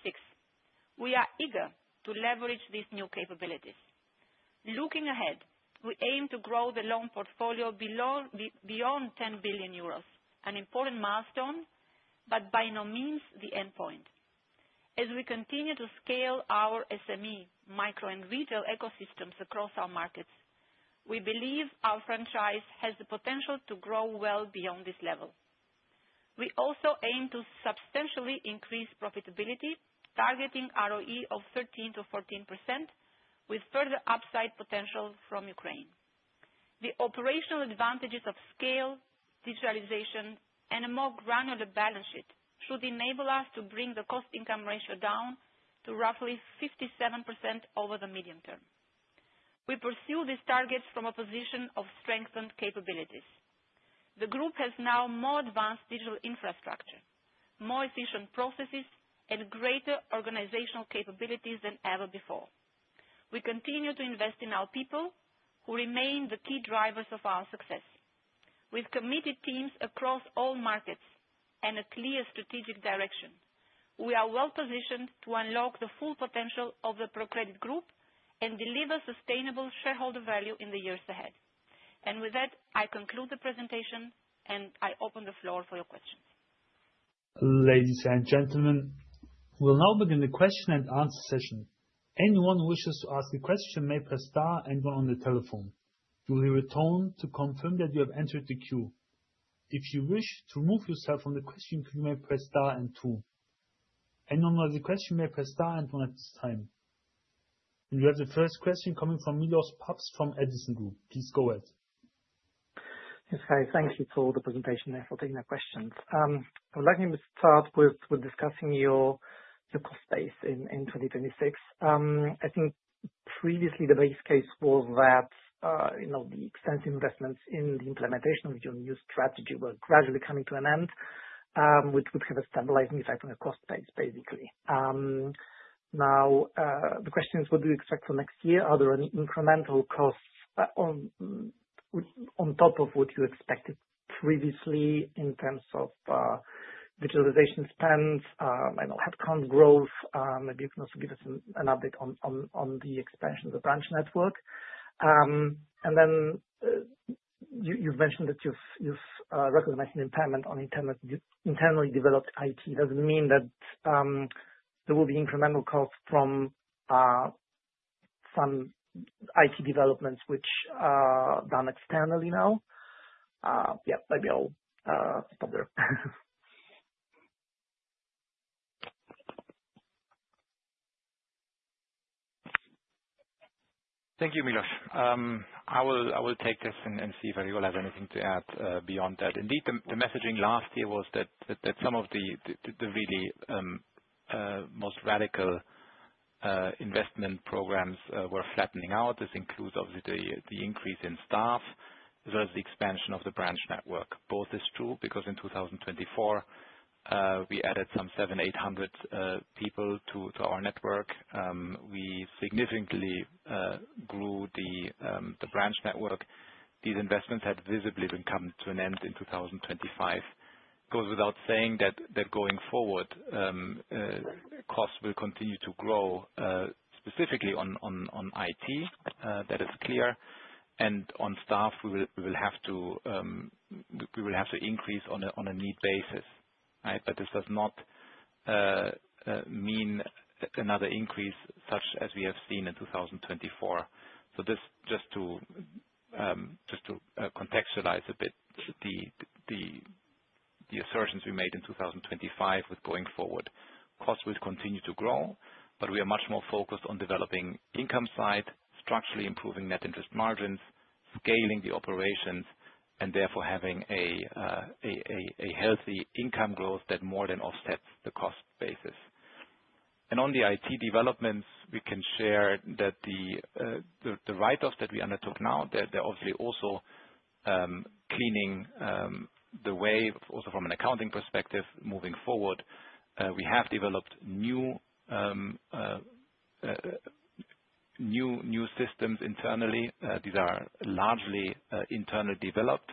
we are eager to leverage these new capabilities. Looking ahead, we aim to grow the loan portfolio beyond 10 billion euros, an important milestone, but by no means the endpoint. As we continue to scale our SME micro and retail ecosystems across our markets, we believe our franchise has the potential to grow well beyond this level. We also aim to substantially increase profitability, targeting ROE of 13%-14%, with further upside potential from Ukraine. The operational advantages of scale, digitalization, and a more granular balance sheet should enable us to bring the cost income ratio down to roughly 57% over the medium term. We pursue these targets from a position of strengthened capabilities. The group has now more advanced digital infrastructure, more efficient processes, and greater organizational capabilities than ever before. We continue to invest in our people who remain the key drivers of our success. With committed teams across all markets and a clear strategic direction, we are well-positioned to unlock the full potential of the ProCredit Group and deliver sustainable shareholder value in the years ahead. With that, I conclude the presentation, and I open the floor for your questions. Ladies and gentlemen, we'll now begin the question and answer session. Anyone who wishes to ask a question may press star and one on the telephone. You will hear a tone to confirm that you have entered the queue. If you wish to remove yourself from the question queue, you may press star and two. Anyone with a question may press star and one at this time. We have the first question coming from Milosz Papst from Edison Group. Please go ahead. Yes. Hi, thank you for the presentation and for taking the questions. I would like me to start with discussing your cost base in 2026. I think previously the base case was that the extensive investments in the implementation of your new strategy were gradually coming to an end, which would have a stabilizing effect on the cost base, basically. Now, the question is, what do you expect for next year? Are there any incremental costs on top of what you expected previously in terms of digitalization spends, headcount growth? Maybe you can also give us an update on the expansion of the branch network. Then you've mentioned that you've recognized an impairment on internally developed IT. Does it mean that there will be incremental costs from IT developments which are done externally now? Yeah, maybe I'll stop there. Thank you, Milosz. I will take this and see if Eriola have anything to add beyond that. Indeed, the messaging last year was that some of the really most radical investment programs were flattening out. This includes, obviously, the increase in staff as well as the expansion of the branch network. Both is true because in 2024, we added some 700 people to our network. We significantly grew the branch network. These investments had visibly been come to an end in 2025. Goes without saying that going forward, costs will continue to grow, specifically on IT, that is clear. On staff, we will have to increase on a need basis. But this does not mean another increase such as we have seen in 2024. Just to contextualize a bit the assertions we made in 2025 with going forward, costs will continue to grow, but we are much more focused on developing income side, structurally improving net interest margins, scaling the operations, and therefore having a healthy income growth that more than offsets the cost basis. On the IT developments, we can share that the write-offs that we undertook now, they're obviously also cleaning the way also from an accounting perspective moving forward. We have developed new systems internally. These are largely internal developed,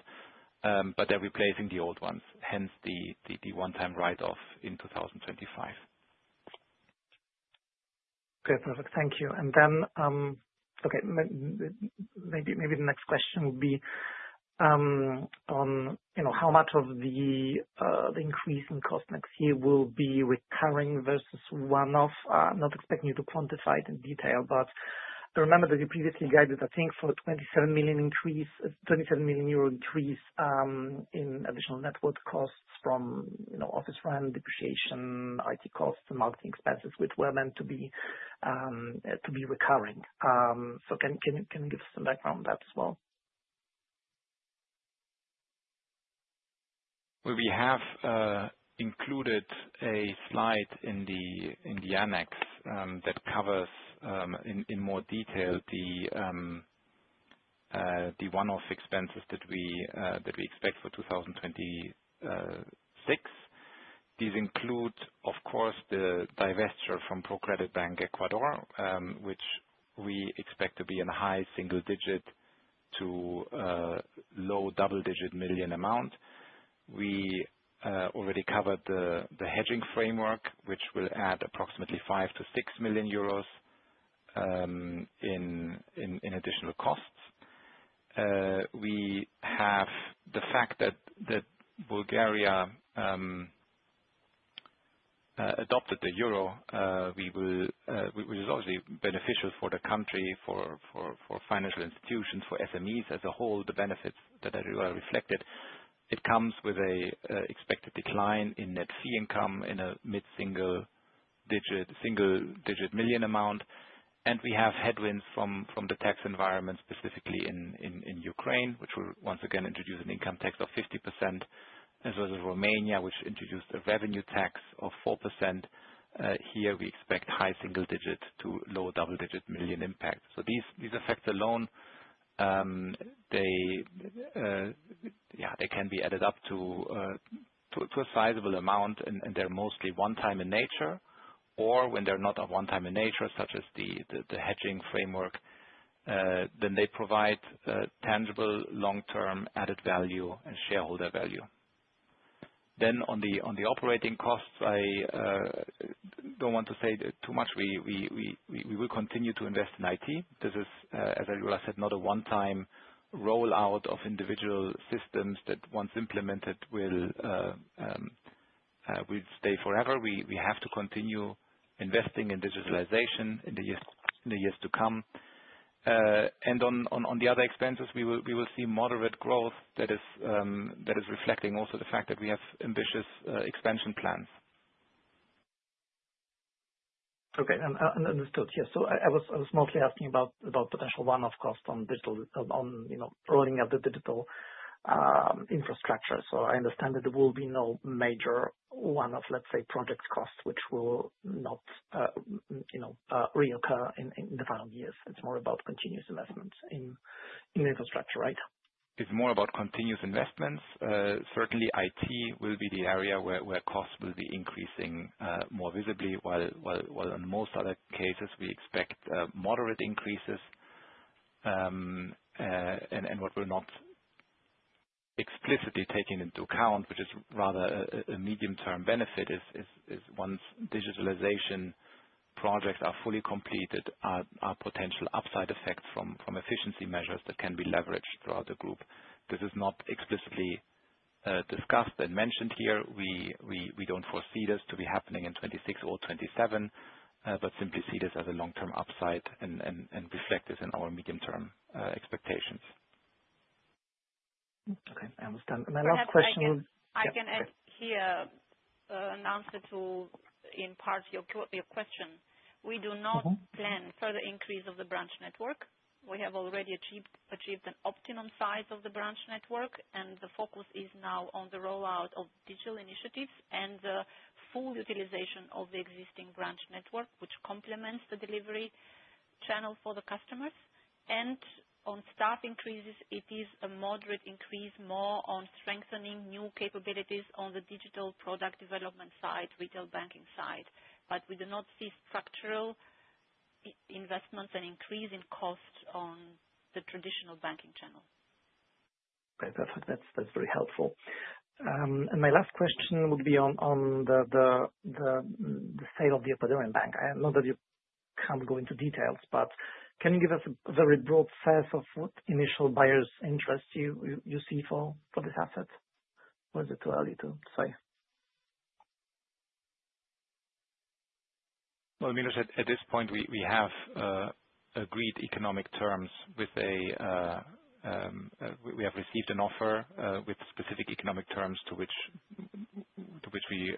but they're replacing the old ones, hence the one-time write-off in 2025. Perfect. Thank you. Maybe the next question would be on how much of the increase in cost next year will be recurring versus one-off. I'm not expecting you to quantify it in detail, but I remember that you previously guided, I think, for 27 million increase in additional network costs from office rent, depreciation, IT costs, marketing expenses, which were meant to be recurring. Can you give us some background on that as well? We have included a slide in the annex that covers in more detail the one-off expenses that we expect for 2026. These include, of course, the divesture from ProCredit Bank Ecuador, which we expect to be in high single-digit to low double-digit million euro amount. We already covered the hedging framework, which will add approximately 5 million-6 million euros in additional costs. We have the fact that Bulgaria adopted the euro which is obviously beneficial for the country, for financial institutions, for SMEs as a whole, the benefits that are reflected. It comes with an expected decline in net fee income in a mid single-digit, single-digit million euro amount. We have headwinds from the tax environment, specifically in Ukraine, which will once again introduce an income tax of 50%, as well as Romania, which introduced a revenue tax of 4%. Here we expect high single-digit to low double-digit euro million impact. These effects alone they can be added up to a sizable amount, and they're mostly one-time in nature. When they're not a one-time in nature, such as the hedging framework, then they provide tangible long-term added value and shareholder value. On the operating costs, I don't want to say too much. We will continue to invest in IT. This is, as I said, not a one-time rollout of individual systems that once implemented will stay forever. We have to continue investing in digitalization in the years to come. On the other expenses, we will see moderate growth that is reflecting also the fact that we have ambitious expansion plans. Okay. Understood. Yeah. I was mostly asking about potential one-off costs on rolling out the digital infrastructure. I understand that there will be no major one-off, let's say, project costs, which will not reoccur in the following years. It's more about continuous investments in infrastructure, right? It's more about continuous investments. Certainly, IT will be the area where costs will be increasing more visibly while on most other cases, we expect moderate increases. What we're not explicitly taking into account, which is rather a medium-term benefit, is once digitalization projects are fully completed, are potential upside effects from efficiency measures that can be leveraged throughout the group. This is not explicitly discussed and mentioned here. We don't foresee this to be happening in 2026 or 2027, but simply see this as a long-term upside and reflect this in our medium-term expectations. Okay, I understand. My last question. I can add here an answer to, in part, your question. We do not plan further increase of the branch network. We have already achieved an optimum size of the branch network, and the focus is now on the rollout of digital initiatives and the full utilization of the existing branch network, which complements the delivery channel for the customers. On staff increases, it is a moderate increase, more on strengthening new capabilities on the digital product development side, retail banking side. We do not see structural investments and increase in costs on the traditional banking channel. Okay, perfect. That's very helpful. My last question would be on the sale of the ProCredit Bank Ecuador. I know that you can't go into details, but can you give us a very broad sense of what initial buyers' interest you see for this asset? Or is it too early to say? Well, Milosz, at this point, we have received an offer with specific economic terms, to which we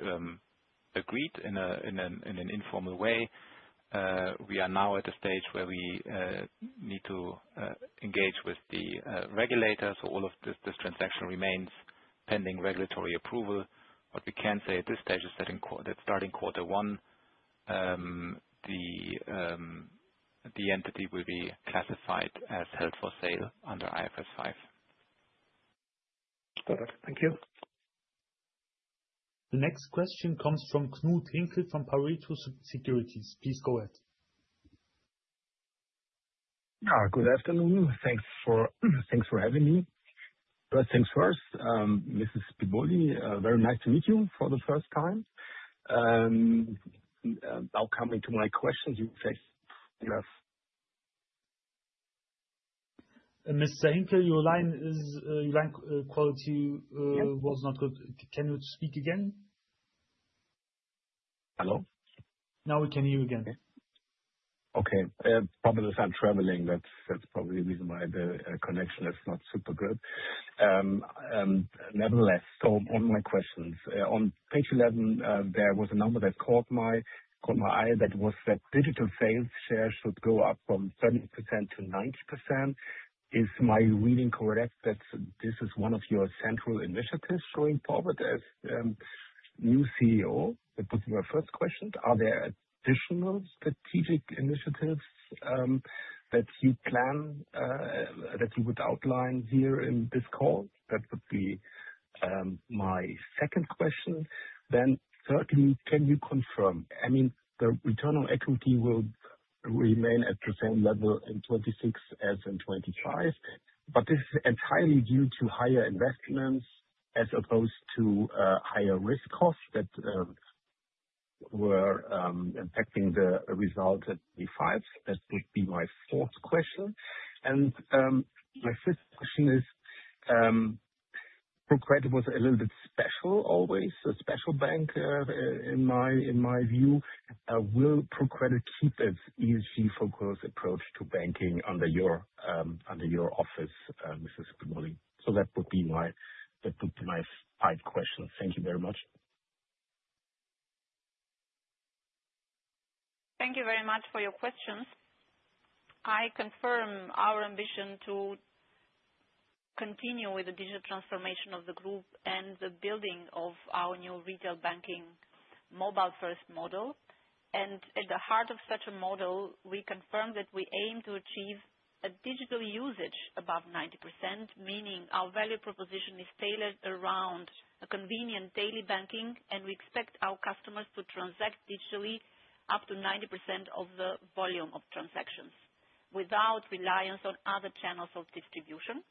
agreed in an informal way. We are now at a stage where we need to engage with the regulators. All of this transaction remains pending regulatory approval. What we can say at this stage is that starting quarter one, the entity will be classified as held for sale under IFRS 5. Perfect. Thank you. The next question comes from Knud Hinkel from Pareto Securities. Please go ahead. Good afternoon. Thanks for having me. First things first, Mrs. Bibolli, very nice to meet you for the first time. Coming to my questions, you said. Mr. Hinkel, your line quality was not good. Can you speak again? Hello? We can hear you again. Okay. Probably because I'm traveling, that's probably the reason why the connection is not super good. Nevertheless, on my questions, on page 11, there was a number that caught my eye. That was that digital sales share should go up from 70% to 90%. Is my reading correct that this is one of your central initiatives going forward? As new CEO, that was my first question. Are there additional strategic initiatives that you would outline here in this call? That would be my second question. Thirdly, can you confirm, the return on equity will remain at the same level in 2026 as in 2025, but this is entirely due to higher investments as opposed to higher risk costs that were impacting the result in 2025? That would be my fourth question. My fifth question is, ProCredit was a little bit special, always, a special bank, in my view. Will ProCredit keep its ESG-focused approach to banking under your office, Mrs. Bibolli? That would be my five questions. Thank you very much. Thank you very much for your questions. I confirm our ambition to continue with the digital transformation of the group and the building of our new retail banking mobile-first model. At the heart of such a model, we confirm that we aim to achieve a digital usage above 90%, meaning our value proposition is tailored around a convenient daily banking, and we expect our customers to transact digitally up to 90% of the volume of transactions without reliance on other channels of distribution.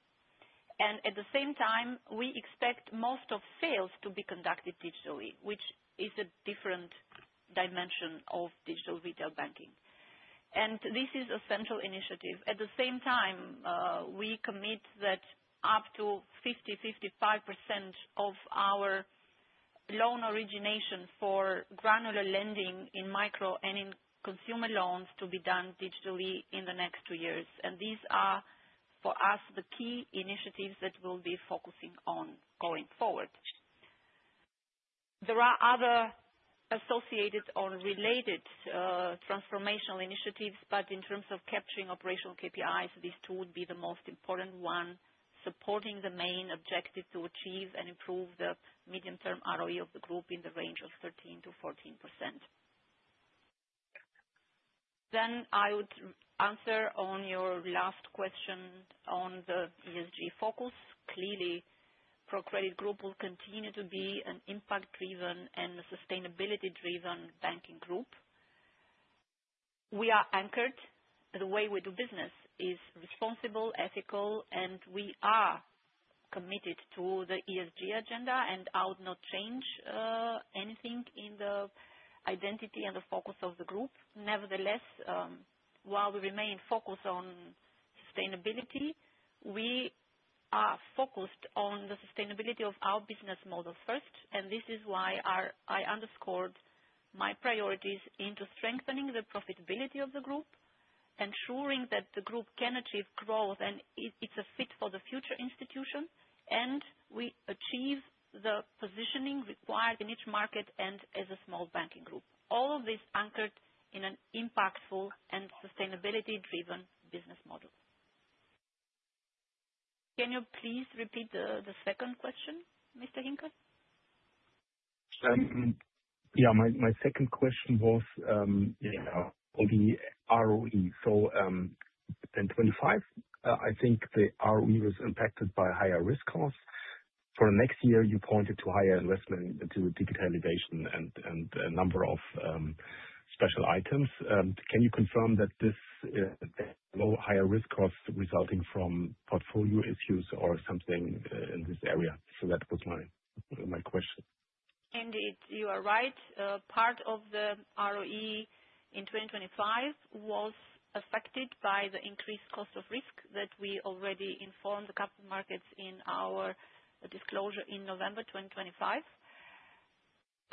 At the same time, we expect most of sales to be conducted digitally, which is a different dimension of digital retail banking. This is a central initiative. At the same time, we commit that up to 50%-55% of our loan origination for granular lending in micro and in consumer loans to be done digitally in the next two years. These are, for us, the key initiatives that we'll be focusing on going forward. There are other associated or related transformational initiatives, but in terms of capturing operational KPIs, these two would be the most important one, supporting the main objective to achieve and improve the medium-term ROE of the group in the range of 13%-14%. I would answer on your last question on the ESG focus. Clearly, ProCredit Group will continue to be an impact-driven and a sustainability-driven banking group. We are anchored. The way we do business is responsible, ethical, and we are committed to the ESG agenda, I would not change anything in the identity and the focus of the group. Nevertheless, while we remain focused on sustainability, we are focused on the sustainability of our business model first, and this is why I underscored my priorities into strengthening the profitability of the group, ensuring that the group can achieve growth and it's a fit for the future institution, and we achieve the positioning required in each market and as a small banking group. All of this anchored in an impactful and sustainability-driven business model. Can you please repeat the second question, Mr. Hinkel? My second question was on the ROE. In 2025, I think the ROE was impacted by higher risk costs. For next year, you pointed to higher investment into digitalization and a number of special items. Can you confirm that this higher risk cost resulting from portfolio issues or something in this area? That was my question. Indeed, you are right. Part of the ROE in 2025 was affected by the increased cost of risk that we already informed the capital markets in our disclosure in November 2025.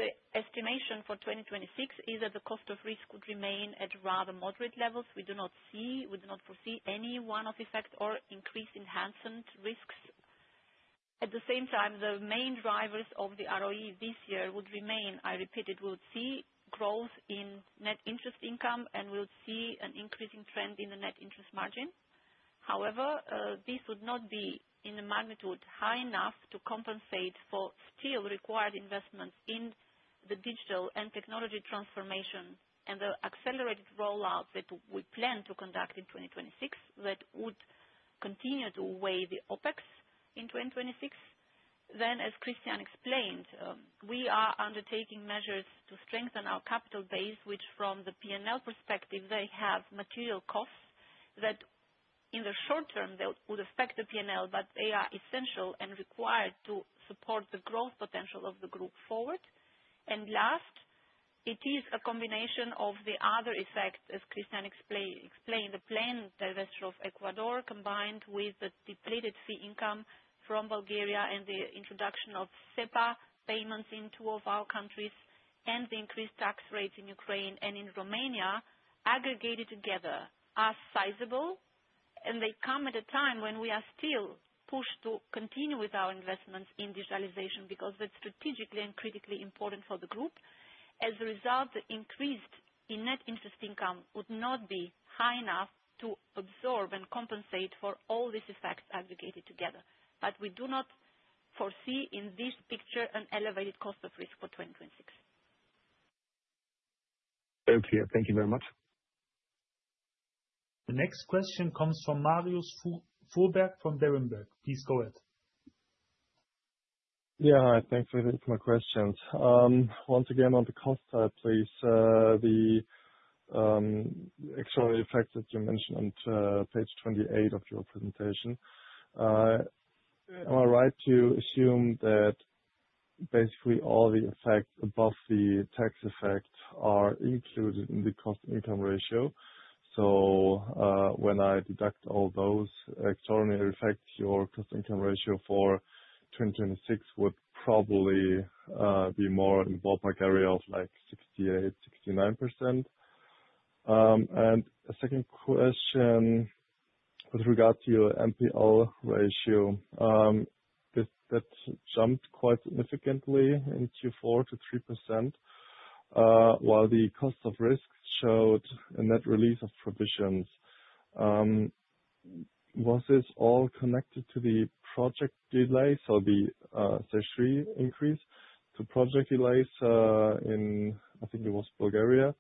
The estimation for 2026 is that the cost of risk would remain at rather moderate levels. We do not foresee any one-off effect or increase in heightened risks. At the same time, the main drivers of the ROE this year would remain. I repeat it, we'll see growth in net interest income, and we'll see an increasing trend in the net interest margin. However, this would not be in a magnitude high enough to compensate for still required investments in the digital and technology transformation and the accelerated rollout that we plan to conduct in 2026 that would continue to weigh the OpEx in 2026. As Christian explained, we are undertaking measures to strengthen our capital base, which from the P&L perspective, they have material costs that in the short term, they would affect the P&L, but they are essential and required to support the growth potential of the group forward. Last, it is a combination of the other effects, as Christian explained, the planned divestment of Ecuador, combined with the depleted fee income from Bulgaria and the introduction of SEPA payments in two of our countries, and the increased tax rate in Ukraine and in Romania, aggregated together are sizable, and they come at a time when we are still pushed to continue with our investments in digitalization because that's strategically and critically important for the group. As a result, the increase in net interest income would not be high enough to absorb and compensate for all these effects aggregated together. We do not foresee in this picture an elevated cost of risk for 2026. Okay. Thank you very much. The next question comes from Marius Fuhrberg from Berenberg. Please go ahead. Thanks for taking my questions. Once again, on the cost side, please, the extraordinary effects that you mentioned on page 28 of your presentation. Am I right to assume that basically all the effects above the tax effects are included in the cost-income ratio? When I deduct all those extraordinary effects, your cost-income ratio for 2026 would probably be more in ballpark area of, like, 68%, 69%? A second question with regard to your NPL ratio. That jumped quite significantly in Q4 to 3%, while the cost of risk showed a net release of provisions. Was this all connected to the project delays or the statutory increase to project delays in, I think it was Bulgaria?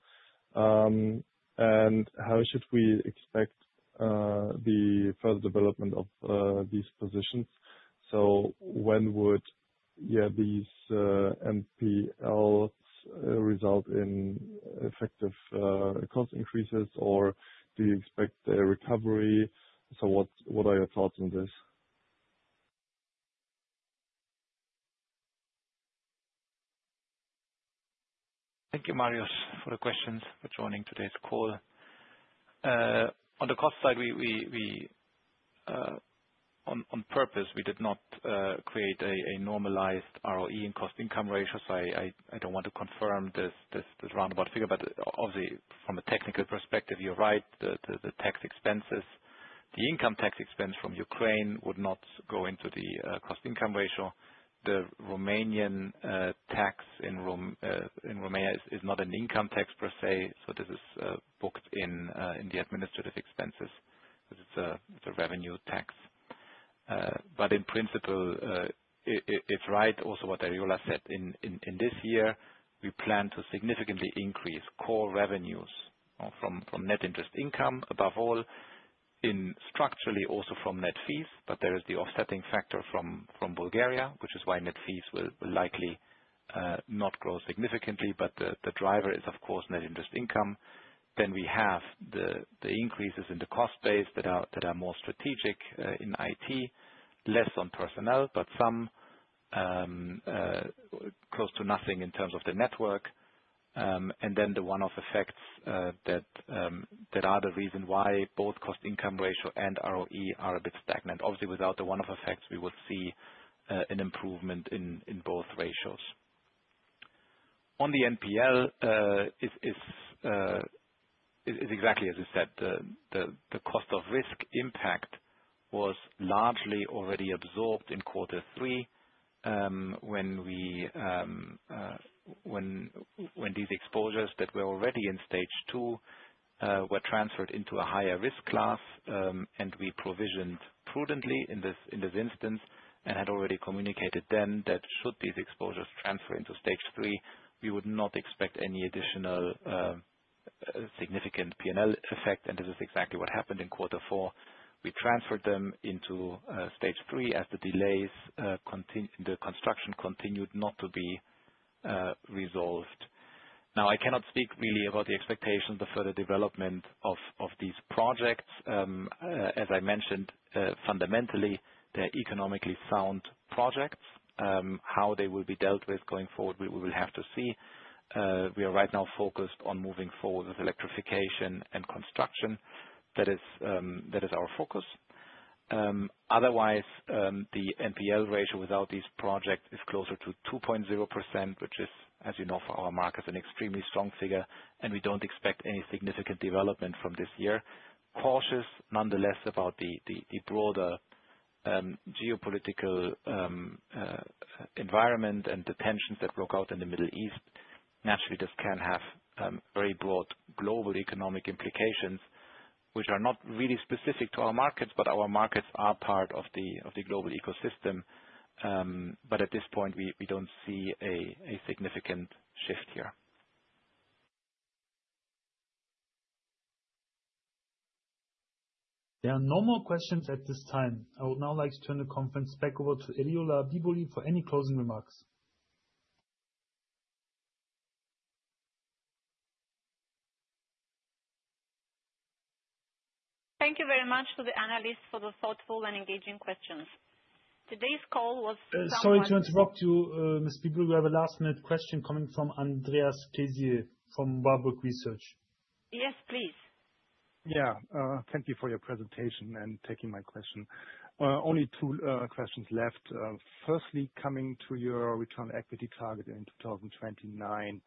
How should we expect the further development of these positions? When would these NPLs result in effective cost increases, or do you expect a recovery? What are your thoughts on this? Thank you, Marius, for the questions. For joining today's call. On the cost side, on purpose, we did not create a normalized ROE and cost-income ratio. I don't want to confirm this roundabout figure, but obviously from a technical perspective, you're right. The income tax expense from Ukraine would not go into the cost income ratio. The Romanian tax in Romania is not an income tax per se, so this is booked in the administrative expenses, because it's a revenue tax. In principle, it's right also what Eriola said. In this year, we plan to significantly increase core revenues from net interest income above all, structurally also from net fees, but there is the offsetting factor from Bulgaria, which is why net fees will likely not grow significantly. The driver is, of course, net interest income. We have the increases in the cost base that are more strategic in IT, less on personnel. Some close to nothing in terms of the network. The one-off effects that are the reason why both cost income ratio and ROE are a bit stagnant. Obviously, without the one-off effects, we would see an improvement in both ratios. On the NPL, it's exactly as I said. The cost of risk impact was largely already absorbed in quarter three when these exposures that were already in Stage 2 were transferred into a higher risk class, and we provisioned prudently in this instance, and had already communicated then that should these exposures transfer into Stage 3, we would not expect any additional significant P&L effect. This is exactly what happened in quarter four. We transferred them into Stage 3 as the delays, the construction continued not to be resolved. I cannot speak really about the expectation, the further development of these projects. As I mentioned, fundamentally, they're economically sound projects. How they will be dealt with going forward, we will have to see. We are right now focused on moving forward with electrification and construction. That is our focus. Otherwise, the NPL ratio without these projects is closer to 2.0%, which is, as you know, for our market, an extremely strong figure, and we don't expect any significant development from this year. Cautious nonetheless about the broader geopolitical environment and the tensions that broke out in the Middle East. Naturally, this can have very broad global economic implications, which are not really specific to our markets, but our markets are part of the global ecosystem. At this point, we don't see a significant shift here. There are no more questions at this time. I would now like to turn the conference back over to Eriola Bibolli for any closing remarks. Thank you very much to the analysts for the thoughtful and engaging questions. Today's call was Sorry to interrupt you, Ms. Bibolli. We have a last-minute question coming from Andreas Pläsier from Warburg Research. Yes, please. Thank you for your presentation and taking my question. Only two questions left. Firstly, coming to your return equity target in 2029.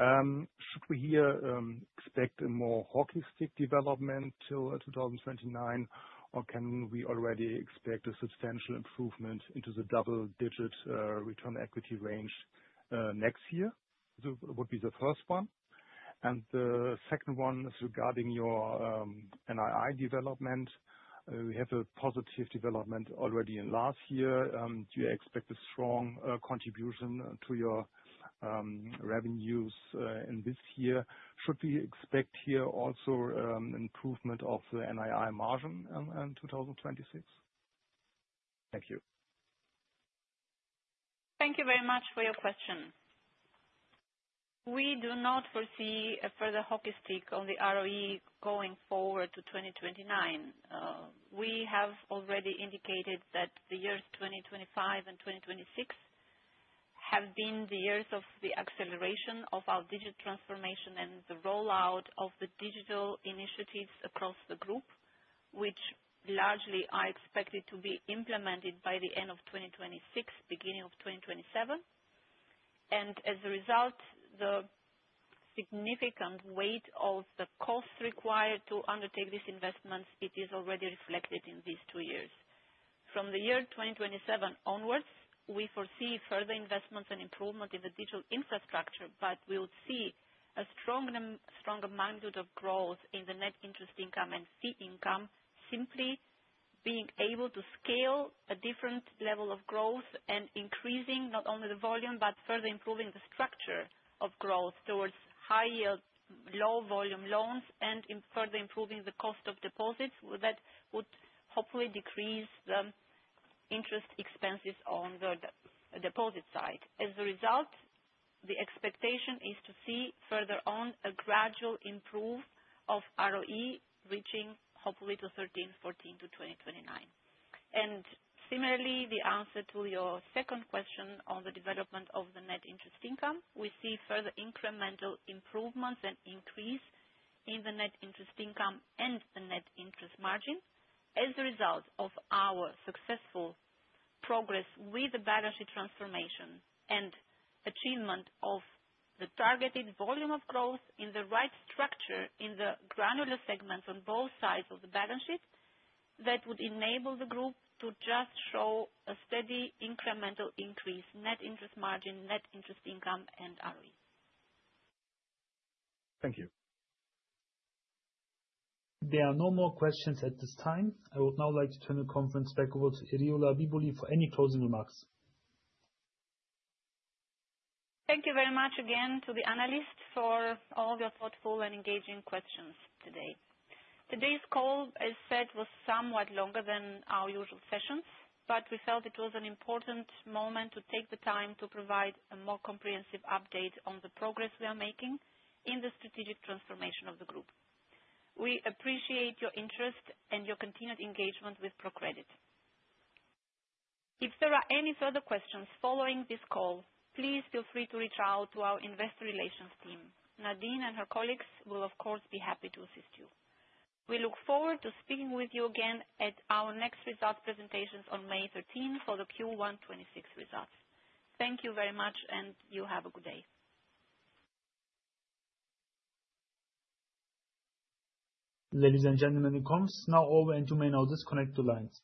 Should we here expect a more hockey stick development till 2029, or can we already expect a substantial improvement into the double-digit return equity range next year? Would be the first one. The second one is regarding your NII development. We have a positive development already in last year. Do you expect a strong contribution to your revenues in this year? Should we expect here also improvement of the NII margin in 2026? Thank you. Thank you very much for your question. We do not foresee a further hockey stick on the ROE going forward to 2029. We have already indicated that the years 2025 and 2026 have been the years of the acceleration of our digital transformation and the rollout of the digital initiatives across the group, which largely are expected to be implemented by the end of 2026, beginning of 2027. As a result, the significant weight of the cost required to undertake these investments, it is already reflected in these two years. From the year 2027 onwards, we foresee further investments and improvement in the digital infrastructure, but we would see a stronger magnitude of growth in the net interest income and fee income simply being able to scale a different level of growth and increasing not only the volume but further improving the structure of growth towards high yield, low volume loans and further improving the cost of deposits that would hopefully decrease the interest expenses on the deposit side. As a result, the expectation is to see further on a gradual improvement of ROE reaching hopefully to 13%-14% to 2029. Similarly, the answer to your second question on the development of the net interest income, we see further incremental improvements and increase in the net interest income and the net interest margin as a result of our successful progress with the balance sheet transformation and achievement of the targeted volume of growth in the right structure in the granular segments on both sides of the balance sheet. That would enable the group to just show a steady incremental increase net interest margin, net interest income, and ROE. Thank you. There are no more questions at this time. I would now like to turn the conference back over to Eriola Bibolli for any closing remarks. Thank you very much again to the analysts for all of your thoughtful and engaging questions today. Today's call, as said, was somewhat longer than our usual sessions, but we felt it was an important moment to take the time to provide a more comprehensive update on the progress we are making in the strategic transformation of the group. We appreciate your interest and your continued engagement with ProCredit. If there are any further questions following this call, please feel free to reach out to our investor relations team. Nadine and her colleagues will, of course, be happy to assist you. We look forward to speaking with you again at our next results presentations on May 13 for the Q1 2026 results. Thank you very much, and you have a good day. Ladies and gentlemen, the conference is now over, and you may now disconnect your lines.